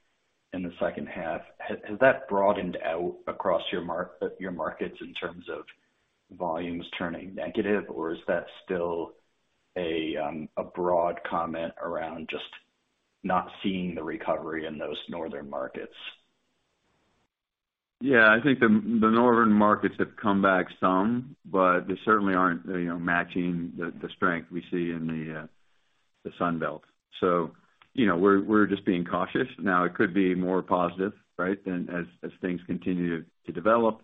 in the second half, has that broadened out across your markets in terms of volumes turning negative, or is that still a broad comment around just not seeing the recovery in those northern markets? Yeah, I think the northern markets have come back some, but they certainly aren't, you know, matching the strength we see in the Sun Belt. You know, we're just being cautious. Now, it could be more positive, right, than as things continue to develop,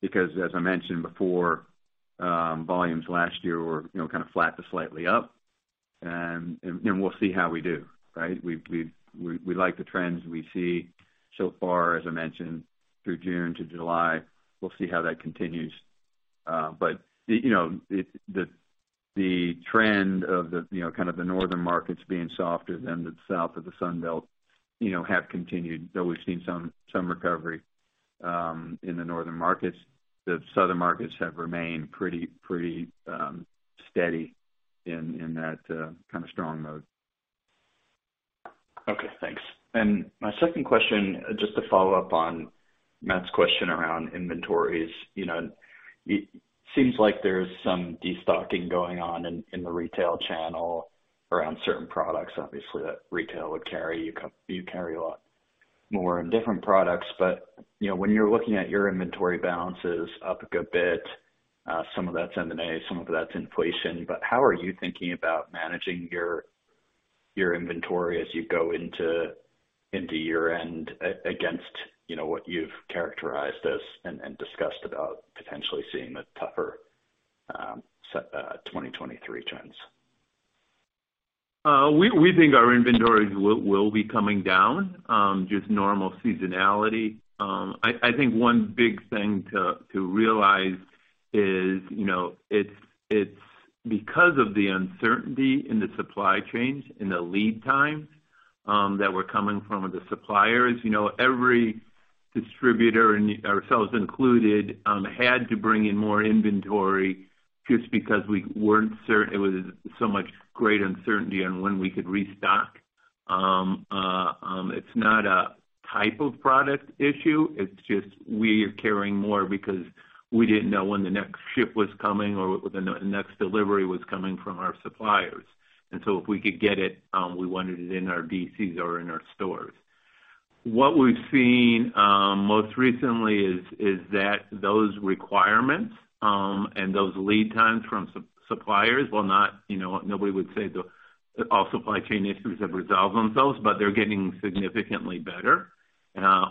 because as I mentioned before, volumes last year were, you know, kind of flat to slightly up. We'll see how we do, right? We like the trends we see so far, as I mentioned, through June to July. We'll see how that continues. But you know, the trend of the northern markets being softer than the south of the Sun Belt, you know, have continued, though we've seen some recovery in the northern markets. The southern markets have remained pretty steady in that kind of strong mode. Okay, thanks. My second question, just to follow up on Matt's question around inventories. You know, it seems like there's some destocking going on in the retail channel around certain products, obviously, that retail would carry. You carry a lot more in different products. But, you know, when you're looking at your inventory balances up a good bit, some of that's M&A, some of that's inflation, but how are you thinking about managing your inventory as you go into year-end against, you know, what you've characterized as and discussed about potentially seeing a tougher 2023 trends? We think our inventories will be coming down, just normal seasonality. I think one big thing to realize is, you know, it's because of the uncertainty in the supply chains and the lead times that were coming from the suppliers. You know, every distributor, ourselves included, had to bring in more inventory just because we weren't certain, it was so much greater uncertainty on when we could restock. It's not a type of product issue. It's just we are carrying more because we didn't know when the next ship was coming or when the next delivery was coming from our suppliers. If we could get it, we wanted it in our DCs or in our stores. What we've seen most recently is that those requirements and those lead times from suppliers will not, you know, nobody would say the all supply chain issues have resolved themselves, but they're getting significantly better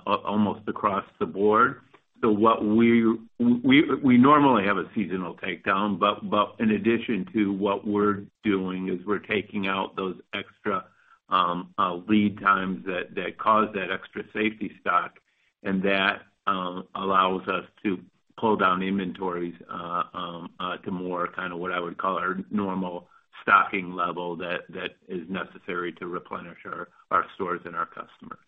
almost across the board. What we normally have a seasonal takedown, but in addition to what we're doing is we're taking out those extra lead times that cause that extra safety stock, and that allows us to pull down inventories to more kind of what I would call our normal stocking level that is necessary to replenish our stores and our customers.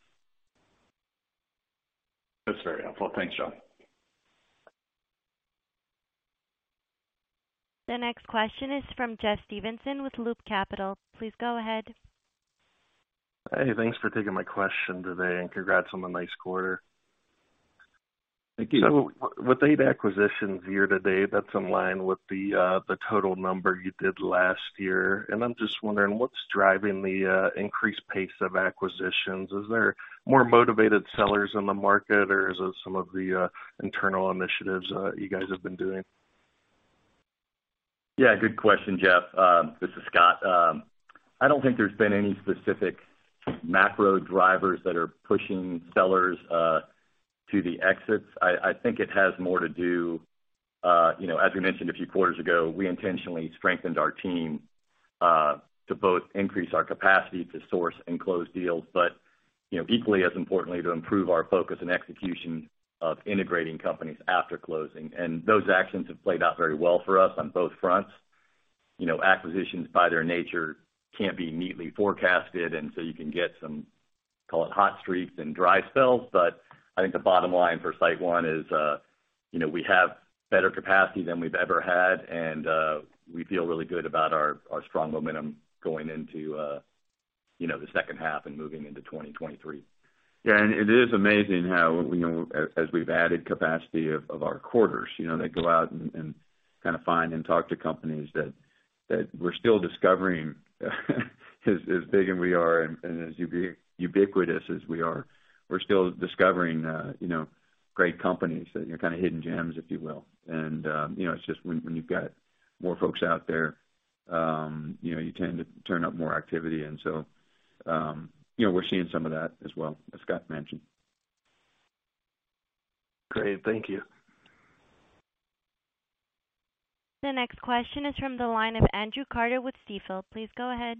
That's very helpful. Thanks, John. The next question is from Jeffrey Stevenson with Loop Capital. Please go ahead. Hey, thanks for taking my question today, and congrats on a nice quarter. Thank you. With 8 acquisitions year to date, that's in line with the total number you did last year. I'm just wondering what's driving the increased pace of acquisitions. Is there more motivated sellers in the market, or is it some of the internal initiatives you guys have been doing? Yeah, good question, Jeff. This is Scott. I don't think there's been any specific macro drivers that are pushing sellers to the exits. I think it has more to do, you know, as we mentioned a few quarters ago, we intentionally strengthened our team to both increase our capacity to source and close deals, but, you know, equally as importantly, to improve our focus and execution of integrating companies after closing. Those actions have played out very well for us on both fronts. You know, acquisitions by their nature can't be neatly forecasted, and so you can get some, call it hot streaks and dry spells. I think the bottom line for SiteOne is, you know, we have better capacity than we've ever had, and, we feel really good about our strong momentum going into, you know, the second half and moving into 2023. Yeah. It is amazing how, you know, as we've added capacity of our quarters, you know, they go out and kind of find and talk to companies that we're still discovering as big as we are and as ubiquitous as we are. We're still discovering, you know, great companies that, you know, kind of hidden gems, if you will. It is just when you've got more folks out there, you know, you tend to turn up more activity. You know, we're seeing some of that as well, as Scott mentioned. Great. Thank you. The next question is from the line of W. Andrew Carter with Stifel. Please go ahead.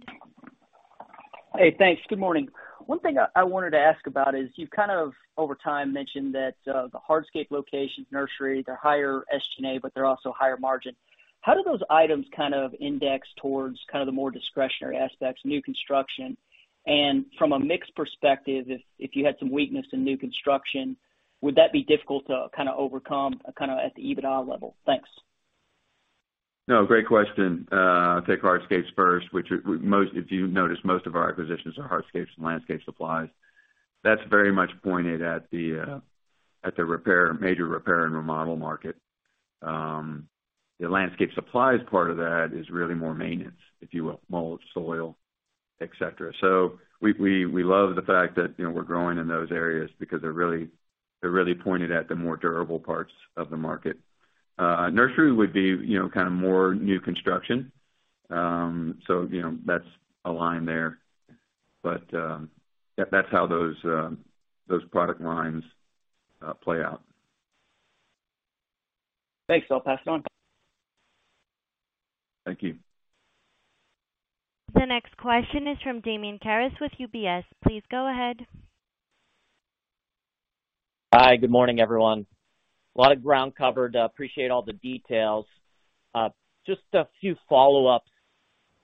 Hey, thanks. Good morning. One thing I wanted to ask about is you've kind of over time mentioned that the hardscape locations, nursery, they're higher SG&A, but they're also higher margin. How do those items kind of index towards kind of the more discretionary aspects, new construction? From a mix perspective, if you had some weakness in new construction, would that be difficult to kinda overcome kinda at the EBITDA level? Thanks. No, great question. I'll take hardscapes first, which most. If you notice, most of our acquisitions are hardscapes and landscape supplies. That's very much pointed at the repair, major repair and remodel market. The landscape supplies part of that is really more maintenance, if you will, mulch, soil, et cetera. So we love the fact that, you know, we're growing in those areas because they're really pointed at the more durable parts of the market. Nursery would be, you know, kind of more new construction. You know, that's a line there. Yeah, that's how those product lines play out. Thanks. I'll pass it on. Thank you. The next question is from Damian Karas with UBS. Please go ahead. Hi, good morning, everyone. A lot of ground covered. I appreciate all the details. Just a few follow-ups.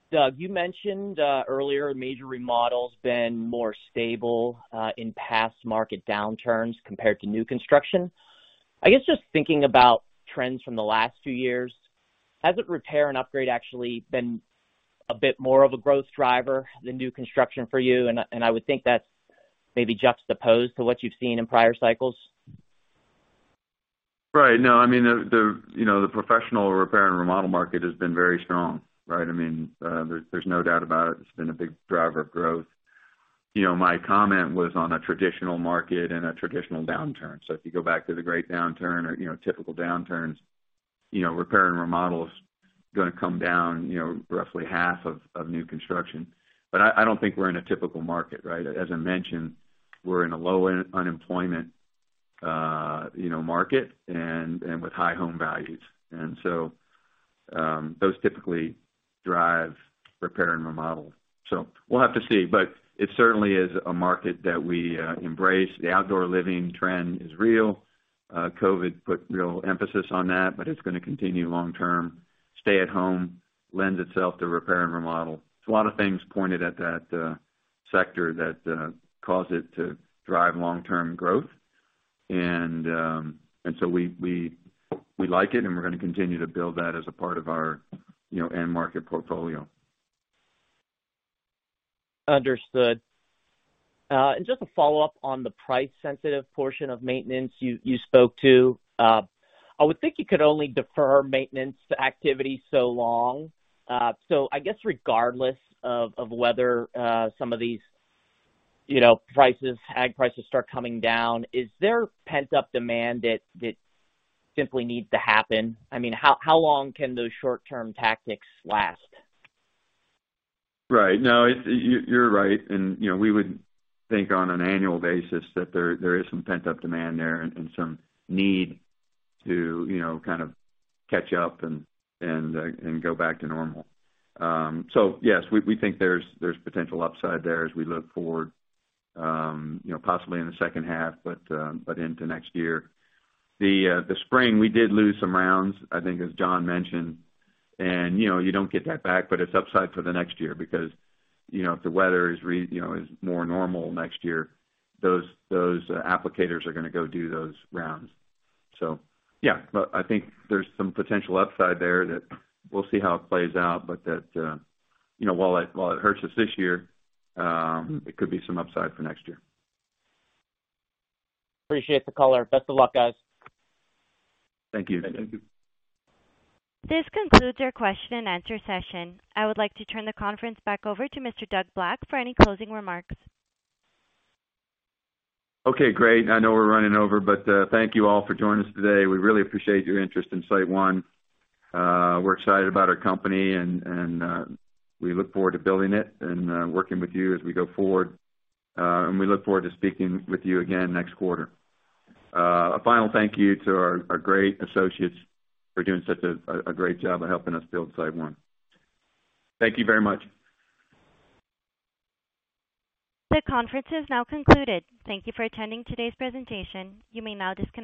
Doug, you mentioned earlier major remodels been more stable in past market downturns compared to new construction. I guess, just thinking about trends from the last two years, hasn't repair and upgrade actually been a bit more of a growth driver than new construction for you? I would think that's maybe juxtaposed to what you've seen in prior cycles. Right. No, I mean, the you know, the professional repair and remodel market has been very strong, right? I mean, there's no doubt about it. It's been a big driver of growth. You know, my comment was on a traditional market and a traditional downturn. If you go back to the great downturn or, you know, typical downturns, you know, repair and remodel is gonna come down, you know, roughly half of new construction. I don't think we're in a typical market, right? As I mentioned, we're in a low-end unemployment you know, market and with high home values. Those typically drive repair and remodel. We'll have to see, but it certainly is a market that we embrace. The outdoor living trend is real. COVID put real emphasis on that, but it's gonna continue long term. Stay at home lends itself to repair and remodel. There's a lot of things pointed at that sector that cause it to drive long-term growth. We like it, and we're gonna continue to build that as a part of our end market portfolio. Understood. Just a follow-up on the price sensitive portion of maintenance you spoke to. I would think you could only defer maintenance activity so long. I guess regardless of whether some of these, you know, prices, ag prices start coming down, is there pent-up demand that simply needs to happen? I mean, how long can those short-term tactics last? Right. No, it's. You, you're right. You know, we would think on an annual basis that there is some pent-up demand there and some need to you know, kind of catch up and go back to normal. So yes, we think there's potential upside there as we look forward, you know, possibly in the second half, but into next year. The spring, we did lose some rounds, I think, as John mentioned. You know, you don't get that back, but it's upside for the next year because, you know, if the weather is more normal next year, those applicators are gonna go do those rounds. So, yeah. I think there's some potential upside there that we'll see how it plays out. That, you know while it hurts us this year it could be some upside for next year. Appreciate the color. Best of luck, guys. Thank you. This concludes our question and answer session. I would like to turn the conference back over to Mr. Doug Black for any closing remarks. Okay, great. I know we're running over, but thank you all for joining us today. We really appreciate your interest in SiteOne. We're excited about our company and we look forward to building it and working with you as we go forward. We look forward to speaking with you again next quarter. A final thank you to our great associates for doing such a great job of helping us build SiteOne. Thank you very much. The conference is now concluded. Thank you for attending today's presentation. You may now disconnect.